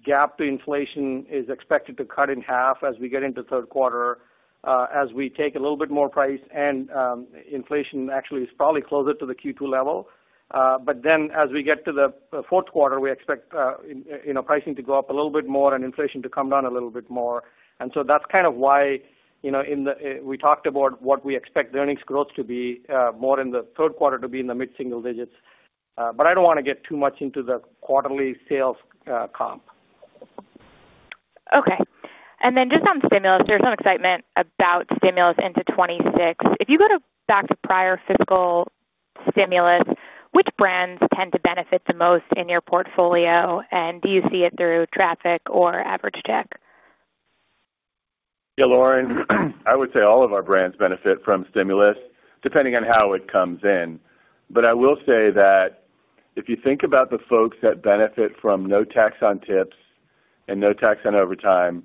gap to inflation is expected to cut in half as we get into third quarter as we take a little bit more price. And inflation actually is probably closer to the Q2 level. But then as we get to the fourth quarter, we expect pricing to go up a little bit more and inflation to come down a little bit more. And so that's kind of why we talked about what we expect earnings growth to be more in the third quarter to be in the mid-single digits. But I don't want to get too much into the quarterly sales comp. Okay. And then just on stimulus, there's some excitement about stimulus into 2026. If you go back to prior fiscal stimulus, which brands tend to benefit the most in your portfolio? And do you see it through traffic or average check? Yeah, Lauren, I would say all of our brands benefit from stimulus depending on how it comes in. But I will say that if you think about the folks that benefit from no tax on tips and no tax on overtime,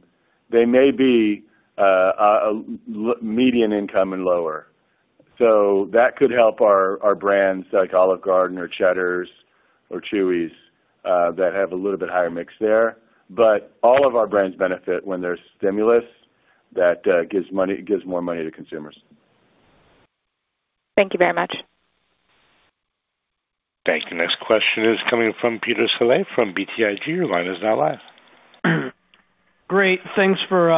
they may be median income and lower. So that could help our brands like Olive Garden or Cheddar's or Chuy's that have a little bit higher mix there. But all of our brands benefit when there's stimulus that gives more money to consumers. Thank you very much. Thank you. Next question is coming from Peter Saleh from BTIG. Your line is now live. Great. Thanks for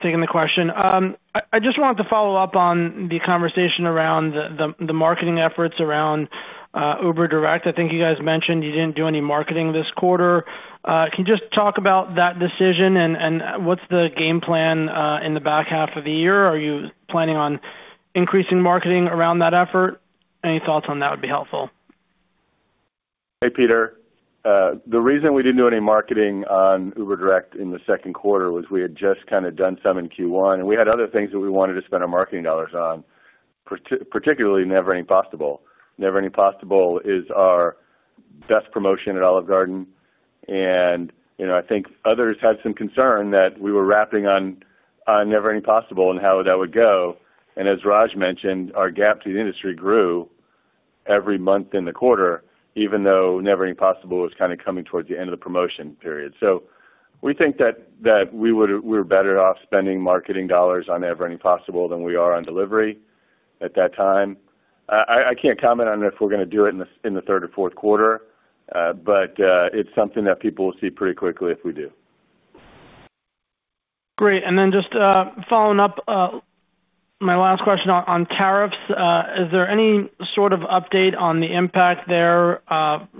taking the question. I just wanted to follow up on the conversation around the marketing efforts around Uber Direct. I think you guys mentioned you didn't do any marketing this quarter. Can you just talk about that decision and what's the game plan in the back half of the year? Are you planning on increasing marketing around that effort? Any thoughts on that would be helpful. Hey, Peter. The reason we didn't do any marketing on Uber Direct in the second quarter was we had just kind of done some in Q1. And we had other things that we wanted to spend our marketing dollars on, particularly Never Ending Pasta Bowl. Never Ending Pasta Bowl is our best promotion at Olive Garden. And I think others had some concern that we were wrapping up on Never Ending Pasta Bowl and how that would go. And as Raj mentioned, our gap to the industry grew every month in the quarter, even though Never Ending Pasta Bowl was kind of coming towards the end of the promotion period. So we think that we were better off spending marketing dollars on Never Ending Pasta Bowl than we are on delivery at that time. I can't comment on if we're going to do it in the third or fourth quarter, but it's something that people will see pretty quickly if we do. Great. And then just following up my last question on tariffs, is there any sort of update on the impact there,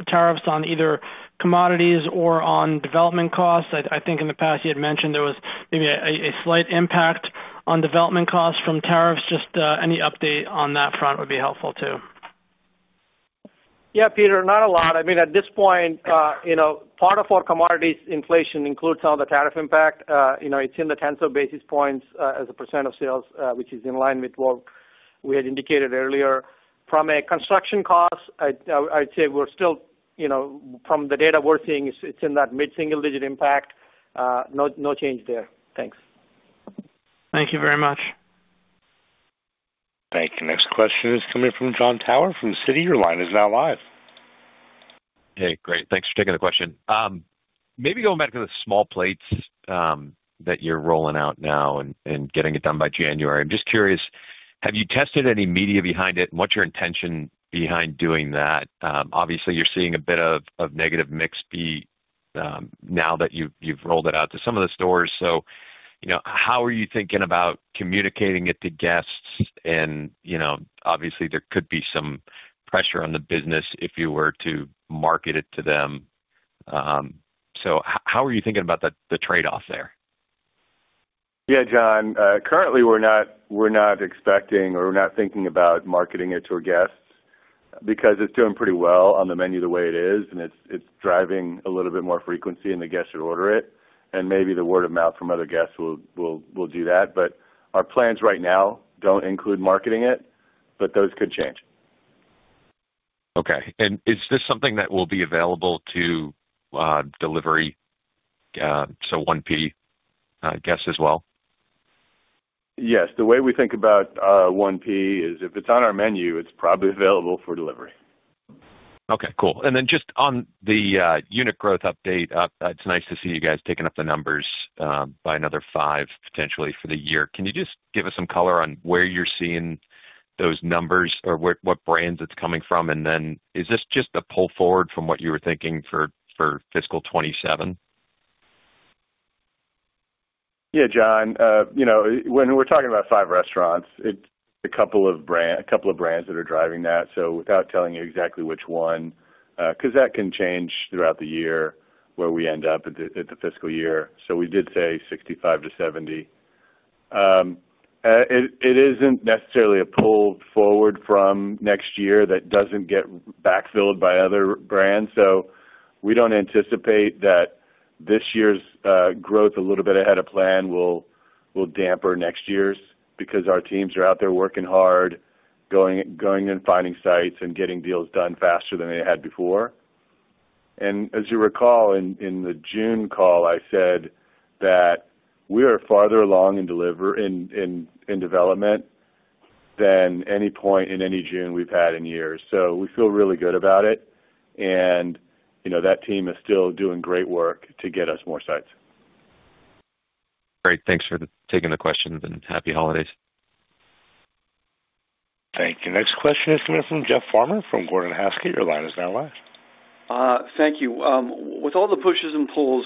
tariffs on either commodities or on development costs? I think in the past you had mentioned there was maybe a slight impact on development costs from tariffs. Just any update on that front would be helpful too. Yeah, Peter, not a lot. I mean, at this point, part of our commodities inflation includes some of the tariff impact. It's in the tens of basis points as a % of sales, which is in line with what we had indicated earlier. From a construction cost, I'd say we're still, from the data we're seeing, it's in that mid-single digit impact. No change there. Thanks. Thank you very much. Thank you. Next question is coming from Jon Tower from Citi. Your line is now live. Hey, great. Thanks for taking the question. Maybe going back to the small plates that you're rolling out now and getting it done by January. I'm just curious, have you tested any media behind it? What's your intention behind doing that? Obviously, you're seeing a bit of negative mix now that you've rolled it out to some of the stores. So how are you thinking about communicating it to guests? And obviously, there could be some pressure on the business if you were to market it to them. So how are you thinking about the trade-off there? Yeah, John, currently we're not expecting or we're not thinking about marketing it to our guests because it's doing pretty well on the menu the way it is. And it's driving a little bit more frequency and the guests would order it. And maybe the word of mouth from other guests will do that. But our plans right now don't include marketing it, but those could change. Okay. And is this something that will be available to delivery, so 1P guests as well? Yes. The way we think about 1P is if it's on our menu, it's probably available for delivery. Okay. Cool. And then just on the unit growth update, it's nice to see you guys taking up the numbers by another five, potentially, for the year. Can you just give us some color on where you're seeing those numbers or what brands it's coming from? And then is this just a pull forward from what you were thinking for fiscal 2027? Yeah, John. When we're talking about five restaurants, it's a couple of brands that are driving that. So without telling you exactly which one, because that can change throughout the year where we end up at the fiscal year. So we did say 65-70. It isn't necessarily a pull forward from next year that doesn't get backfilled by other brands. So we don't anticipate that this year's growth a little bit ahead of plan will dampen next year's because our teams are out there working hard, going and finding sites and getting deals done faster than they had before. And as you recall, in the June call, I said that we are farther along in development than any point in any June we've had in years. So we feel really good about it. And that team is still doing great work to get us more sites. Great. Thanks for taking the questions and happy holidays. Thank you. Next question is coming from Jeff Farmer from Gordon Haskett. Your line is now live. Thank you. With all the pushes and pulls,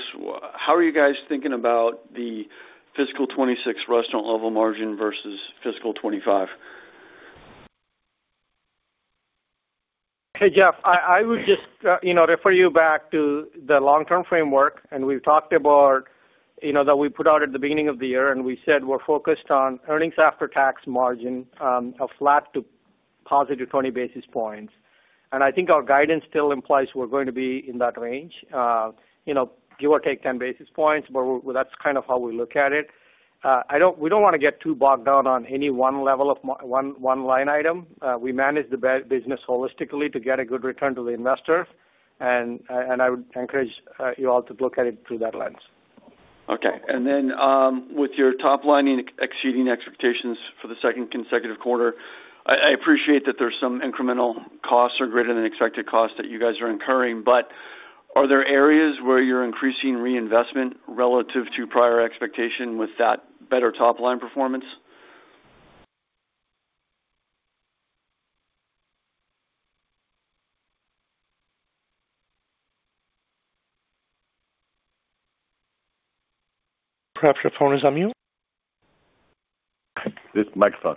how are you guys thinking about the fiscal 2026 restaurant level margin versus fiscal 2025? Hey, Jeff, I would just refer you back to the long-term framework. And we've talked about that we put out at the beginning of the year. And we said we're focused on earnings after tax margin, a flat to positive 20 basis points. And I think our guidance still implies we're going to be in that range, give or take 10 basis points. But that's kind of how we look at it. We don't want to get too bogged down on any one level of one line item. We manage the business holistically to get a good return to the investors. And I would encourage you all to look at it through that lens. Okay. And then with your top line exceeding expectations for the second consecutive quarter, I appreciate that there's some incremental costs or greater than expected costs that you guys are incurring. But are there areas where you're increasing reinvestment relative to prior expectation with that better top line performance? Perhaps your phone is on mute. This is the microphone.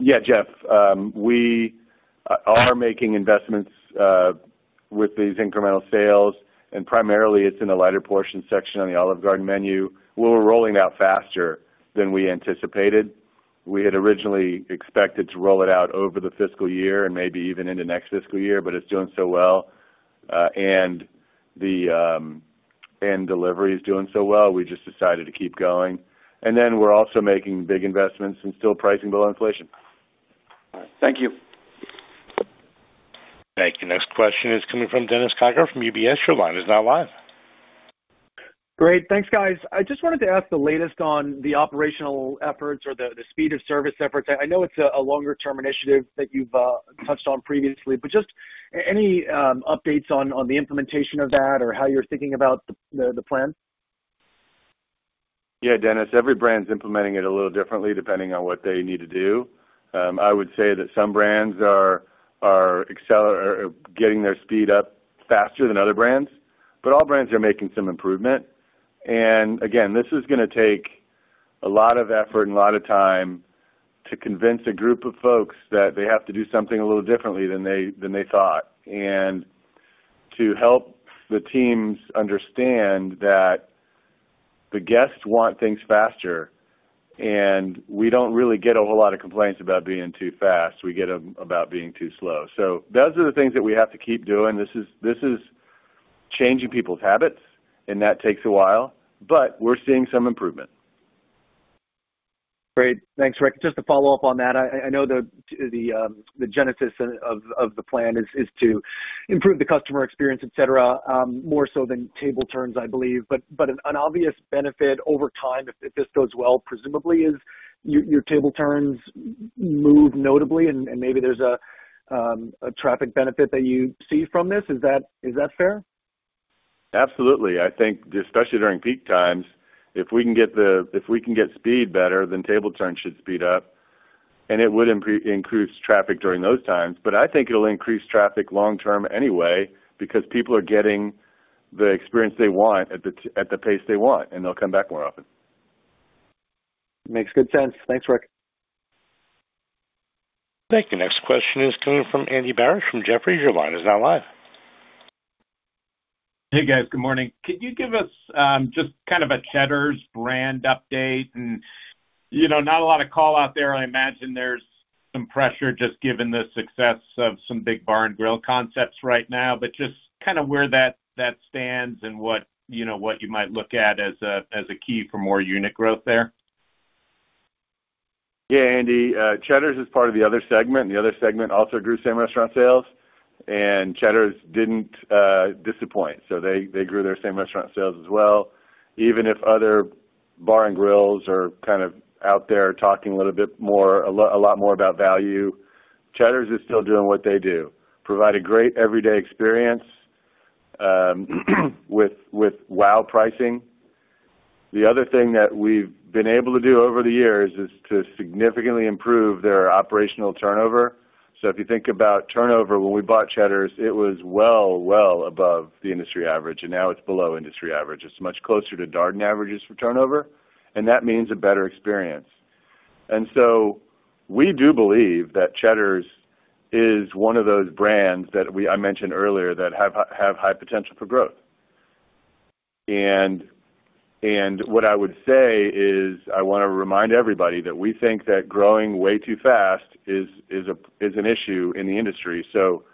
Yeah, Jeff, we are making investments with these incremental sales. And primarily, it's in the lighter portion section on the Olive Garden menu. We're rolling out faster than we anticipated. We had originally expected to roll it out over the fiscal year and maybe even into next fiscal year, but it's doing so well. And delivery is doing so well. We just decided to keep going. And then we're also making big investments and still pricing below inflation. Thank you. Thank you. Next question is coming from Dennis Geiger from UBS. Your line is now live. Great. Thanks, guys. I just wanted to ask the latest on the operational efforts or the speed of service efforts. I know it's a longer-term initiative that you've touched on previously, but just any updates on the implementation of that or how you're thinking about the plan? Yeah, Dennis, every brand's implementing it a little differently depending on what they need to do. I would say that some brands are getting their speed up faster than other brands. But all brands are making some improvement. And again, this is going to take a lot of effort and a lot of time to convince a group of folks that they have to do something a little differently than they thought. And to help the teams understand that the guests want things faster. And we don't really get a whole lot of complaints about being too fast. We get them about being too slow. So those are the things that we have to keep doing. This is changing people's habits, and that takes a while. But we're seeing some improvement. Great. Thanks, Rick. Just to follow up on that, I know the genesis of the plan is to improve the customer experience, etc., more so than table turns, I believe. But an obvious benefit over time, if this goes well, presumably, is your table turns move notably, and maybe there's a traffic benefit that you see from this. Is that fair? Absolutely. I think, especially during peak times, if we can get speed better, then table turns should speed up, and it would increase traffic during those times. But I think it'll increase traffic long-term anyway because people are getting the experience they want at the pace they want, and they'll come back more often. Makes good sense. Thanks, Rick. Thank you. Next question is coming from Andy Barish from Jefferies. Your line is now live. Hey, guys. Good morning. Could you give us just kind of a Cheddar's brand update? And not a lot of call out there. I imagine there's some pressure just given the success of some big bar and grill concepts right now. But just kind of where that stands and what you might look at as a key for more unit growth there? Yeah, Andy. Cheddar's is part of the other segment. The other segment also grew same restaurant sales. And Cheddar's didn't disappoint. So they grew their same restaurant sales as well. Even if other bar and grills are kind of out there talking a little bit more, a lot more about value, Cheddar's is still doing what they do, providing great everyday experience with wow pricing. The other thing that we've been able to do over the years is to significantly improve their operational turnover. So if you think about turnover, when we bought Cheddar's, it was well, well above the industry average. And now it's below industry average. It's much closer to Darden averages for turnover. And that means a better experience. And so we do believe that Cheddar's is one of those brands that I mentioned earlier that have high potential for growth. And what I would say is I want to remind everybody that we think that growing way too fast is an issue in the industry. So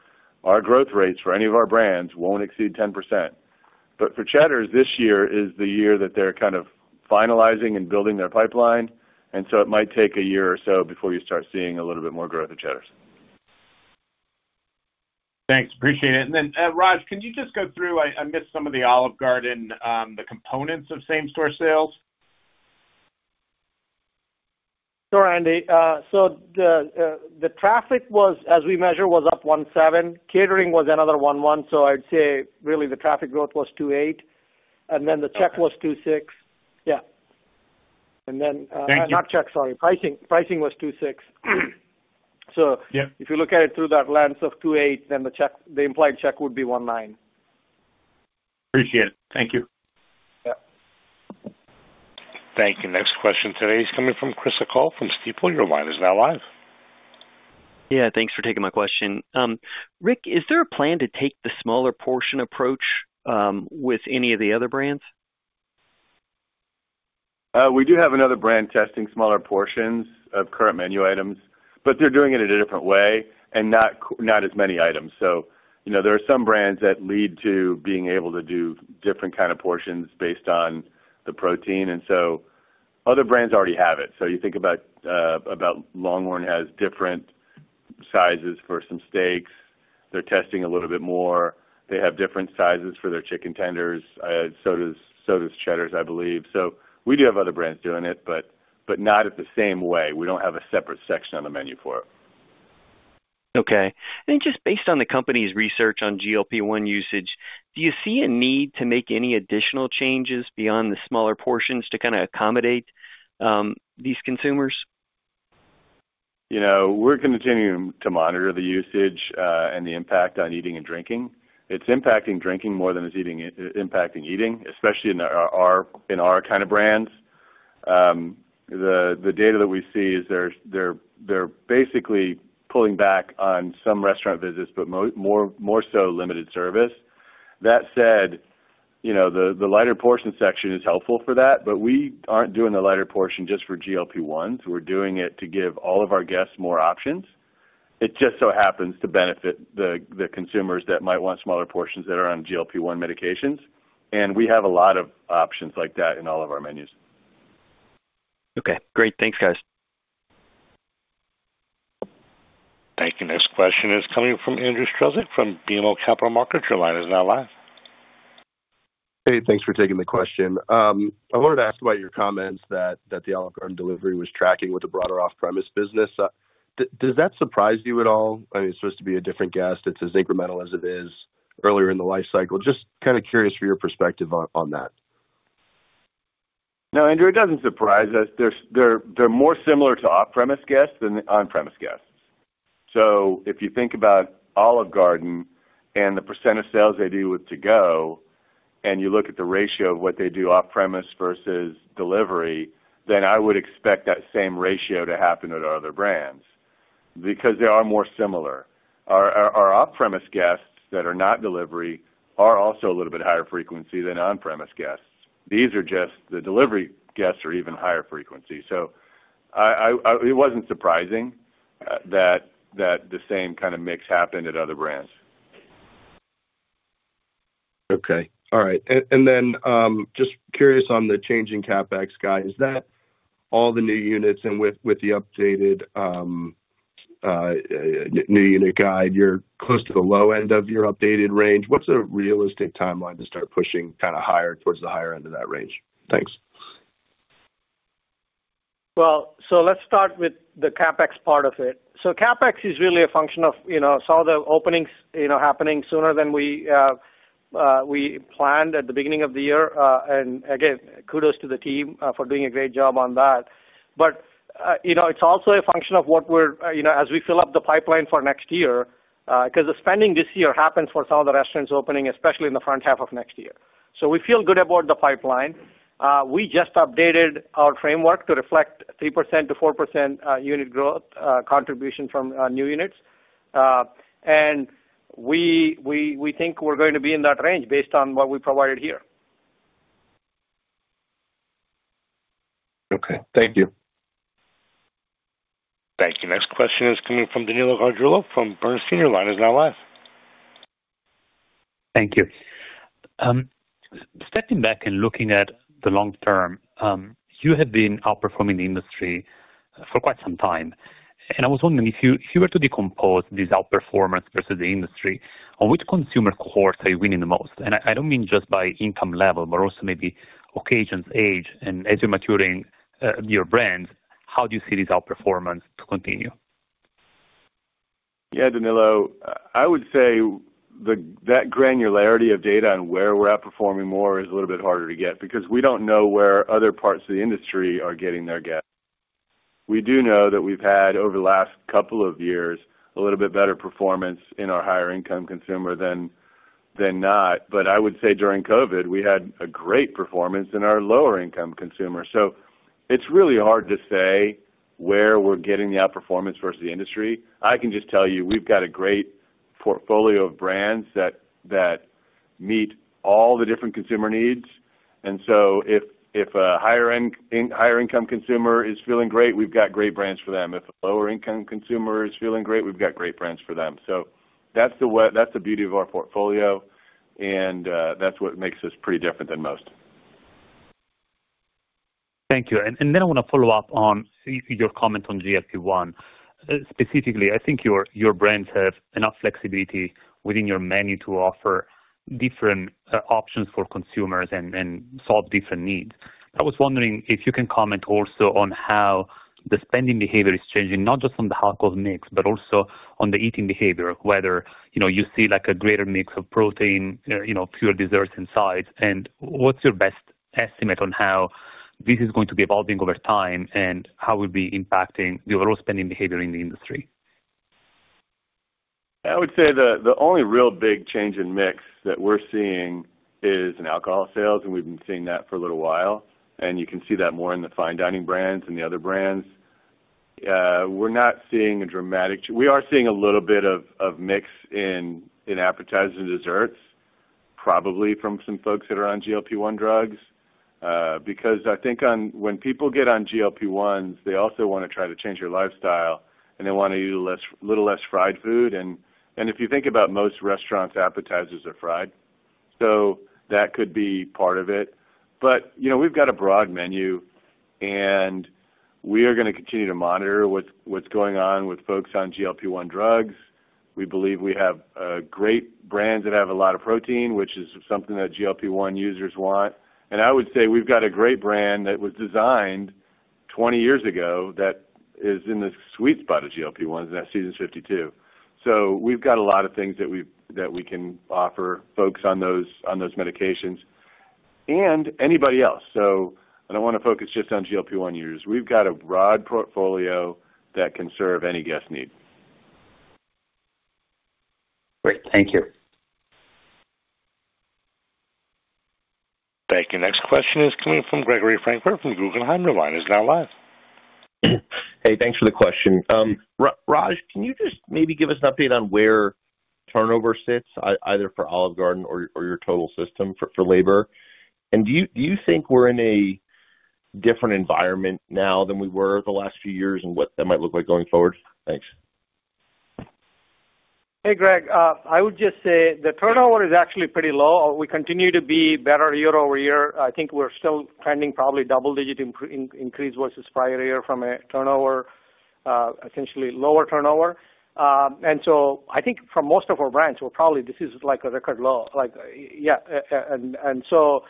our growth rates for any of our brands won't exceed 10%. But for Cheddar's, this year is the year that they're kind of finalizing and building their pipeline. And so it might take a year or so before you start seeing a little bit more growth at Cheddar's. Thanks. Appreciate it. And then, Raj, can you just go through, I missed some of the Olive Garden, the components of same-store sales? Sure, Andy. So the traffic, as we measure, was up 17. Catering was another 11. So I'd say really the traffic growth was 28. And then the check was 26. Yeah. And then. Thank you. Not check, sorry. Pricing was 26. So if you look at it through that lens of 28, then the implied check would be 19. Appreciate it. Thank you. Yeah. Thank you. Next question today is coming from Chris O'Cull from Stifel. Your line is now live. Yeah. Thanks for taking my question. Rick, is there a plan to take the smaller portion approach with any of the other brands? We do have another brand testing smaller portions of current menu items, but they're doing it in a different way and not as many items, so there are some brands that lead to being able to do different kinds of portions based on the protein, and so other brands already have it, so you think about LongHorn has different sizes for some steaks. They're testing a little bit more. They have different sizes for their chicken tenders, sodas, Cheddar's, I believe, so we do have other brands doing it, but not at the same way. We don't have a separate section on the menu for it. Okay. And just based on the company's research on GLP-1 usage, do you see a need to make any additional changes beyond the smaller portions to kind of accommodate these consumers? We're continuing to monitor the usage and the impact on eating and drinking. It's impacting drinking more than it's impacting eating, especially in our kind of brands. The data that we see is they're basically pulling back on some restaurant visits, but more so limited service. That said, the lighter portion section is helpful for that. But we aren't doing the lighter portion just for GLP-1s. We're doing it to give all of our guests more options. It just so happens to benefit the consumers that might want smaller portions that are on GLP-1 medications. And we have a lot of options like that in all of our menus. Okay. Great. Thanks, guys. Thank you. Next question is coming from Andrew Strelzik from BMO Capital Markets. Your line is now live. Hey, thanks for taking the question. I wanted to ask about your comments that the Olive Garden delivery was tracking with the broader off-premise business. Does that surprise you at all? I mean, it's supposed to be a different guest. It's as incremental as it is earlier in the life cycle. Just kind of curious for your perspective on that. No, Andrew. It doesn't surprise us. They're more similar to off-premise guests than on-premise guests. So if you think about Olive Garden and the percent of sales they do with to-go, and you look at the ratio of what they do off-premise versus delivery, then I would expect that same ratio to happen at our other brands because they are more similar. Our off-premise guests that are not delivery are also a little bit higher frequency than on-premise guests. These are just the delivery guests are even higher frequency. So it wasn't surprising that the same kind of mix happened at other brands. Okay. All right. And then just curious on the changing CapEx guide. Is that all the new units? And with the updated new unit guide, you're close to the low end of your updated range. What's a realistic timeline to start pushing kind of higher towards the higher end of that range? Thanks. So let's start with the CapEx part of it. So CapEx is really a function of some of the openings happening sooner than we planned at the beginning of the year. And again, kudos to the team for doing a great job on that. But it's also a function of what we're doing as we fill up the pipeline for next year because the spending this year happens for some of the restaurants opening, especially in the front half of next year. So we feel good about the pipeline. We just updated our framework to reflect 3%-4% unit growth contribution from new units. And we think we're going to be in that range based on what we provided here. Okay. Thank you. Thank you. Next question is coming from Danilo Gargiulo from Bernstein. Your line is now live. Thank you. Stepping back and looking at the long term, you have been outperforming the industry for quite some time. And I was wondering if you were to decompose this outperformance versus the industry, on which consumer cohorts are you winning the most? And I don't mean just by income level, but also maybe occasions, age. And as you're maturing your brands, how do you see this outperformance to continue? Yeah, Danilo. I would say that granularity of data on where we're outperforming more is a little bit harder to get because we don't know where other parts of the industry are getting their guests. We do know that we've had, over the last couple of years, a little bit better performance in our higher-income consumer than not. But I would say during COVID, we had a great performance in our lower-income consumer. So it's really hard to say where we're getting the outperformance versus the industry. I can just tell you we've got a great portfolio of brands that meet all the different consumer needs. And so if a higher-income consumer is feeling great, we've got great brands for them. If a lower-income consumer is feeling great, we've got great brands for them. So that's the beauty of our portfolio. And that's what makes us pretty different than most. Thank you. And then I want to follow up on your comment on GLP-1. Specifically, I think your brands have enough flexibility within your menu to offer different options for consumers and solve different needs. I was wondering if you can comment also on how the spending behavior is changing, not just on the alcohol mix, but also on the eating behavior, whether you see a greater mix of protein, pure desserts inside. And what's your best estimate on how this is going to be evolving over time and how will be impacting the overall spending behavior in the industry? I would say the only real big change in mix that we're seeing is in alcohol sales. And we've been seeing that for a little while. And you can see that more in the fine dining brands and the other brands. We're not seeing a dramatic change. We are seeing a little bit of mix in appetizers and desserts, probably from some folks that are on GLP-1 drugs. Because I think when people get on GLP-1s, they also want to try to change their lifestyle. And they want to eat a little less fried food. And if you think about most restaurants, appetizers are fried. So that could be part of it. But we've got a broad menu. And we are going to continue to monitor what's going on with folks on GLP-1 drugs. We believe we have great brands that have a lot of protein, which is something that GLP-1 users want. And I would say we've got a great brand that was designed 20 years ago that is in the sweet spot of GLP-1s, and that's Seasons 52. So we've got a lot of things that we can offer folks on those medications and anybody else. So I don't want to focus just on GLP-1 users. We've got a broad portfolio that can serve any guest need. Great. Thank you. Thank you. Next question is coming from Gregory Francfort from Guggenheim. Your line is now live. Hey, thanks for the question. Raj, can you just maybe give us an update on where turnover sits, either for Olive Garden or your total system for labor? And do you think we're in a different environment now than we were the last few years and what that might look like going forward? Thanks. Hey, Greg. I would just say the turnover is actually pretty low. We continue to be better year over year. I think we're still trending probably double-digit increase versus prior year from a turnover, essentially lower turnover. And so I think for most of our brands, this is like a record low. Yeah. And so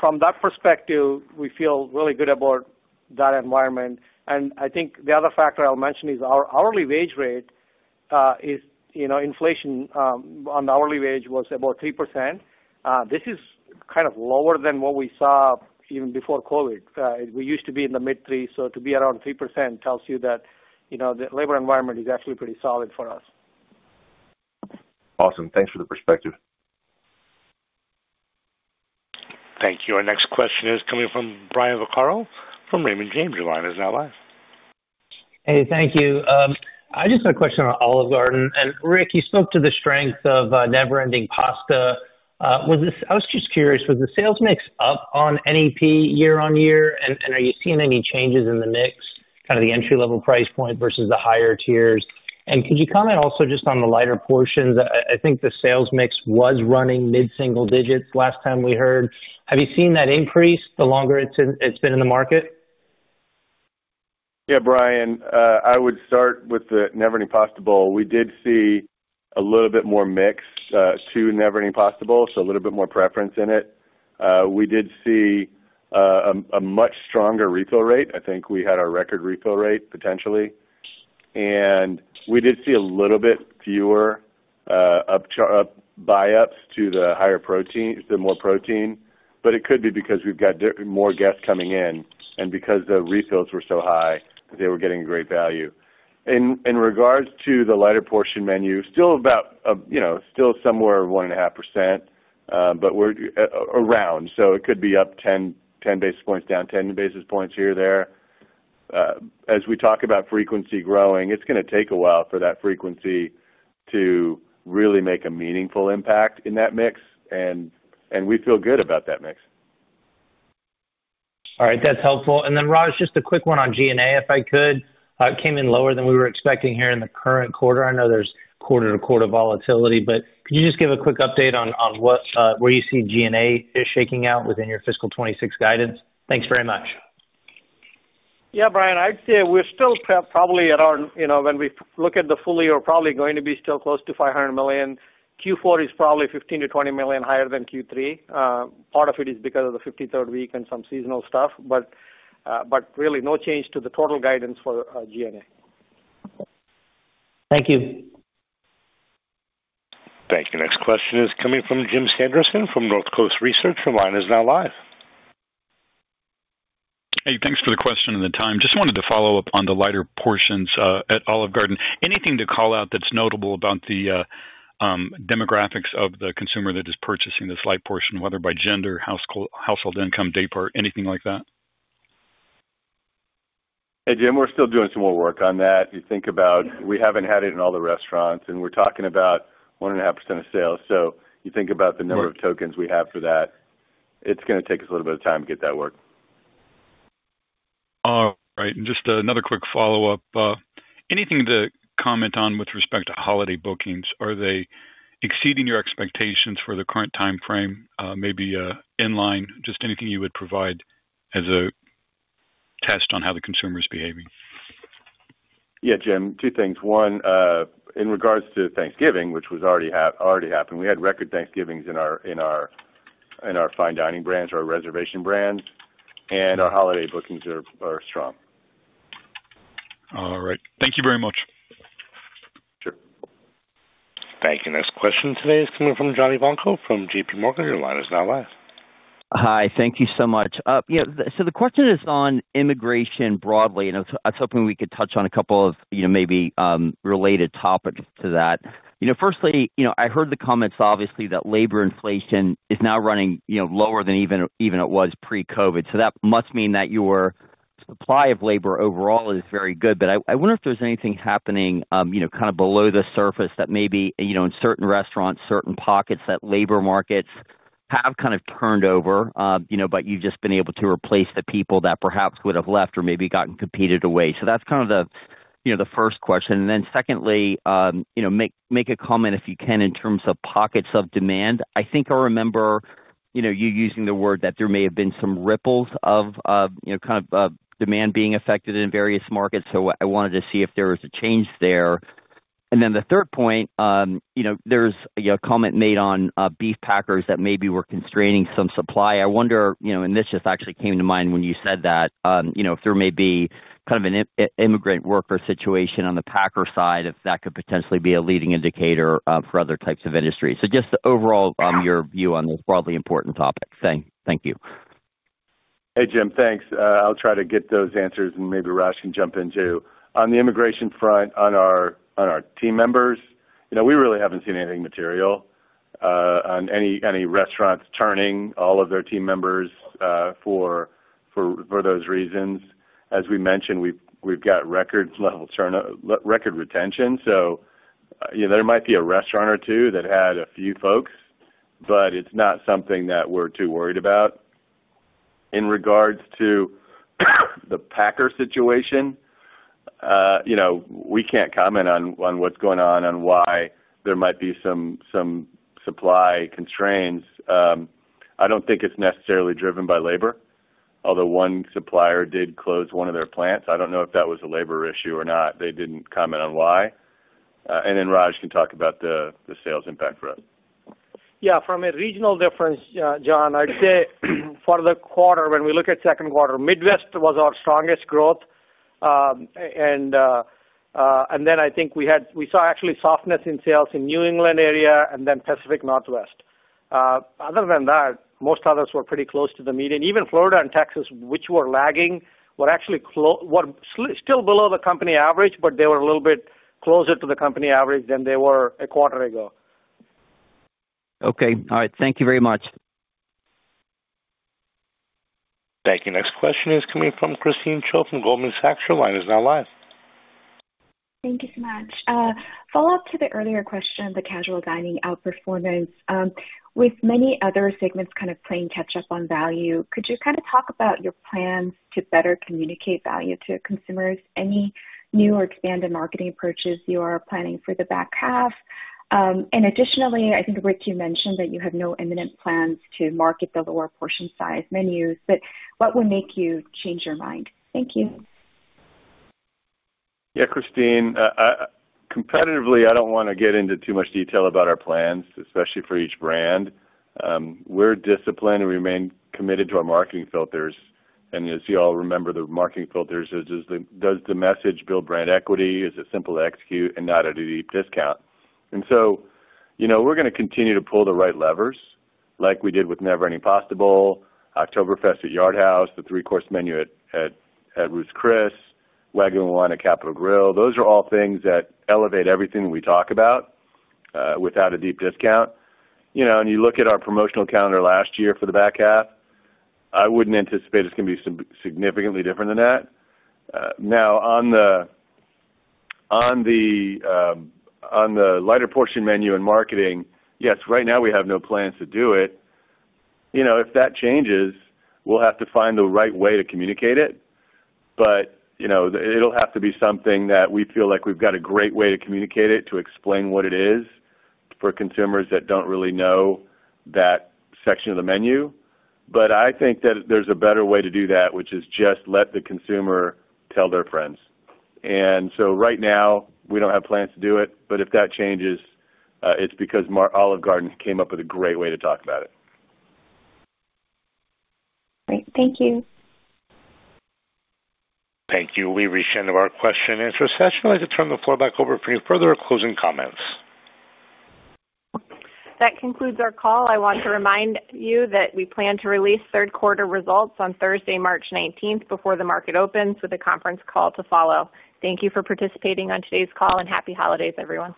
from that perspective, we feel really good about that environment. And I think the other factor I'll mention is our hourly wage rate is inflation on the hourly wage was about 3%. This is kind of lower than what we saw even before COVID. We used to be in the mid-3%. So to be around 3% tells you that the labor environment is actually pretty solid for us. Awesome. Thanks for the perspective. Thank you. Our next question is coming from Brian Vaccaro from Raymond James. Your line is now live. Hey, thank you. I just had a question on Olive Garden. And Rick, you spoke to the strength of never-ending pasta. I was just curious, was the sales mix up on NEP year on year? And are you seeing any changes in the mix, kind of the entry-level price point versus the higher tiers? And could you comment also just on the lighter portions? I think the sales mix was running mid-single digits last time we heard. Have you seen that increase the longer it's been in the market? Yeah, Brian, I would start with the Never Ending Pasta Bowl. We did see a little bit more mix to Never Ending Pasta Bowl, so a little bit more preference in it. We did see a much stronger refill rate. I think we had our record refill rate potentially. And we did see a little bit fewer buy-ups to the more protein. But it could be because we've got more guests coming in and because the refills were so high that they were getting great value. In regards to the lighter portion menu, still somewhere 1.5%, but we're around. So it could be up 10 basis points, down 10 basis points here, there. As we talk about frequency growing, it's going to take a while for that frequency to really make a meaningful impact in that mix. And we feel good about that mix. All right. That's helpful. And then, Raj, just a quick one on G&A, if I could. It came in lower than we were expecting here in the current quarter. I know there's quarter-to-quarter volatility. But could you just give a quick update on where you see G&A shaking out within your fiscal 26 guidance? Thanks very much. Yeah, Brian, I'd say we're still probably at our when we look at the full year. We're probably going to be still close to $500 million. Q4 is probably $15 million-$20 million higher than Q3. Part of it is because of the 53rd week and some seasonal stuff. but really, no change to the total guidance for G&A. Thank you. Thank you. Next question is coming from Jim Sanderson from North Coast Research. Your line is now live. Hey, thanks for the question and the time. Just wanted to follow up on the lighter portions at Olive Garden. Anything to call out that's notable about the demographics of the consumer that is purchasing this light portion, whether by gender, household income, daypart, anything like that? Hey, Jim, we're still doing some more work on that. You think about we haven't had it in all the restaurants. And we're talking about 1.5% of sales. So you think about the number of tokens we have for that. It's going to take us a little bit of time to get that work. All right. And just another quick follow-up. Anything to comment on with respect to holiday bookings? Are they exceeding your expectations for the current timeframe, maybe in line? Just anything you would provide as a test on how the consumer is behaving? Yeah, Jim, two things. One, in regards to Thanksgiving, which was already happening, we had record Thanksgivings in our fine dining brands, our reservation brands, and our holiday bookings are strong. All right. Thank you very much. Sure. Thank you. Next question today is coming from John Ivankoe from J.P. Morgan. Your line is now live. Hi. Thank you so much. So the question is on inflation broadly. And I was hoping we could touch on a couple of maybe related topics to that. Firstly, I heard the comments, obviously, that labor inflation is now running lower than even it was pre-COVID. So that must mean that your supply of labor overall is very good. But I wonder if there's anything happening kind of below the surface that maybe in certain restaurants, certain pockets, that labor markets have kind of turned over, but you've just been able to replace the people that perhaps would have left or maybe gotten competed away. So that's kind of the first question. And then secondly, make a comment if you can in terms of pockets of demand. I think I remember you using the word that there may have been some ripples of kind of demand being affected in various markets. So I wanted to see if there was a change there. And then the third point, there's a comment made on beef packers that maybe were constraining some supply. I wonder, and this just actually came to mind when you said that, if there may be kind of an immigrant worker situation on the packer side, if that could potentially be a leading indicator for other types of industries. So just the overall, your view on this broadly important topic. Thank you. Hey, Jim, thanks. I'll try to get those answers. And maybe Raj can jump in too. On the immigration front, on our team members, we really haven't seen anything material on any restaurants turning all of their team members for those reasons. As we mentioned, we've got record-level record retention. So there might be a restaurant or two that had a few folks, but it's not something that we're too worried about. In regards to the packer situation, we can't comment on what's going on and why there might be some supply constraints. I don't think it's necessarily driven by labor, although one supplier did close one of their plants. I don't know if that was a labor issue or not. They didn't comment on why. And then Raj can talk about the sales impact for us. Yeah. From a regional difference, John, I'd say for the quarter, when we look at second quarter, Midwest was our strongest growth, and then I think we saw actually softness in sales in New England area and then Pacific Northwest. Other than that, most others were pretty close to the median. Even Florida and Texas, which were lagging, were still below the company average, but they were a little bit closer to the company average than they were a quarter ago. Okay. All right. Thank you very much. Thank you. Next question is coming from Christine Cho from Goldman Sachs. Your line is now live. Thank you so much. Follow-up to the earlier question of the casual dining outperformance. With many other segments kind of playing catch-up on value, could you kind of talk about your plans to better communicate value to consumers? Any new or expanded marketing approaches you are planning for the back half? And additionally, I think Rick, you mentioned that you have no imminent plans to market the lower portion size menus. But what would make you change your mind? Thank you. Yeah, Christine. Competitively, I don't want to get into too much detail about our plans, especially for each brand. We're disciplined and remain committed to our marketing filters, and as you all remember, the marketing filters is, does the message build brand equity? Is it simple to execute and not at a deep discount, and so we're going to continue to pull the right levers like we did with Never Ending Pasta Bowl, October Fest at Yard House, the three-course menu at Ruth's Chris, Wagyu and Wine at The Capital Grille. Those are all things that elevate everything that we talk about without a deep discount, and you look at our promotional calendar last year for the back half. I wouldn't anticipate it's going to be significantly different than that. Now, on the lighter portion menu and marketing, yes, right now we have no plans to do it. If that changes, we'll have to find the right way to communicate it, but it'll have to be something that we feel like we've got a great way to communicate it, to explain what it is for consumers that don't really know that section of the menu, but I think that there's a better way to do that, which is just let the consumer tell their friends, and so right now, we don't have plans to do it, but if that changes, it's because Olive Garden came up with a great way to talk about it. Great. Thank you. Thank you. We reached the end of our question-and-answer session. I'd like to turn the floor back over for any further closing comments. That concludes our call. I want to remind you that we plan to release third quarter results on Thursday, March 19th, before the market opens with a conference call to follow. Thank you for participating on today's call and happy holidays, everyone.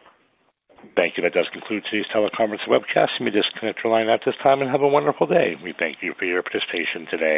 Thank you. That does conclude today's teleconference webcast. You may just connect your line at this time and have a wonderful day. We thank you for your participation today.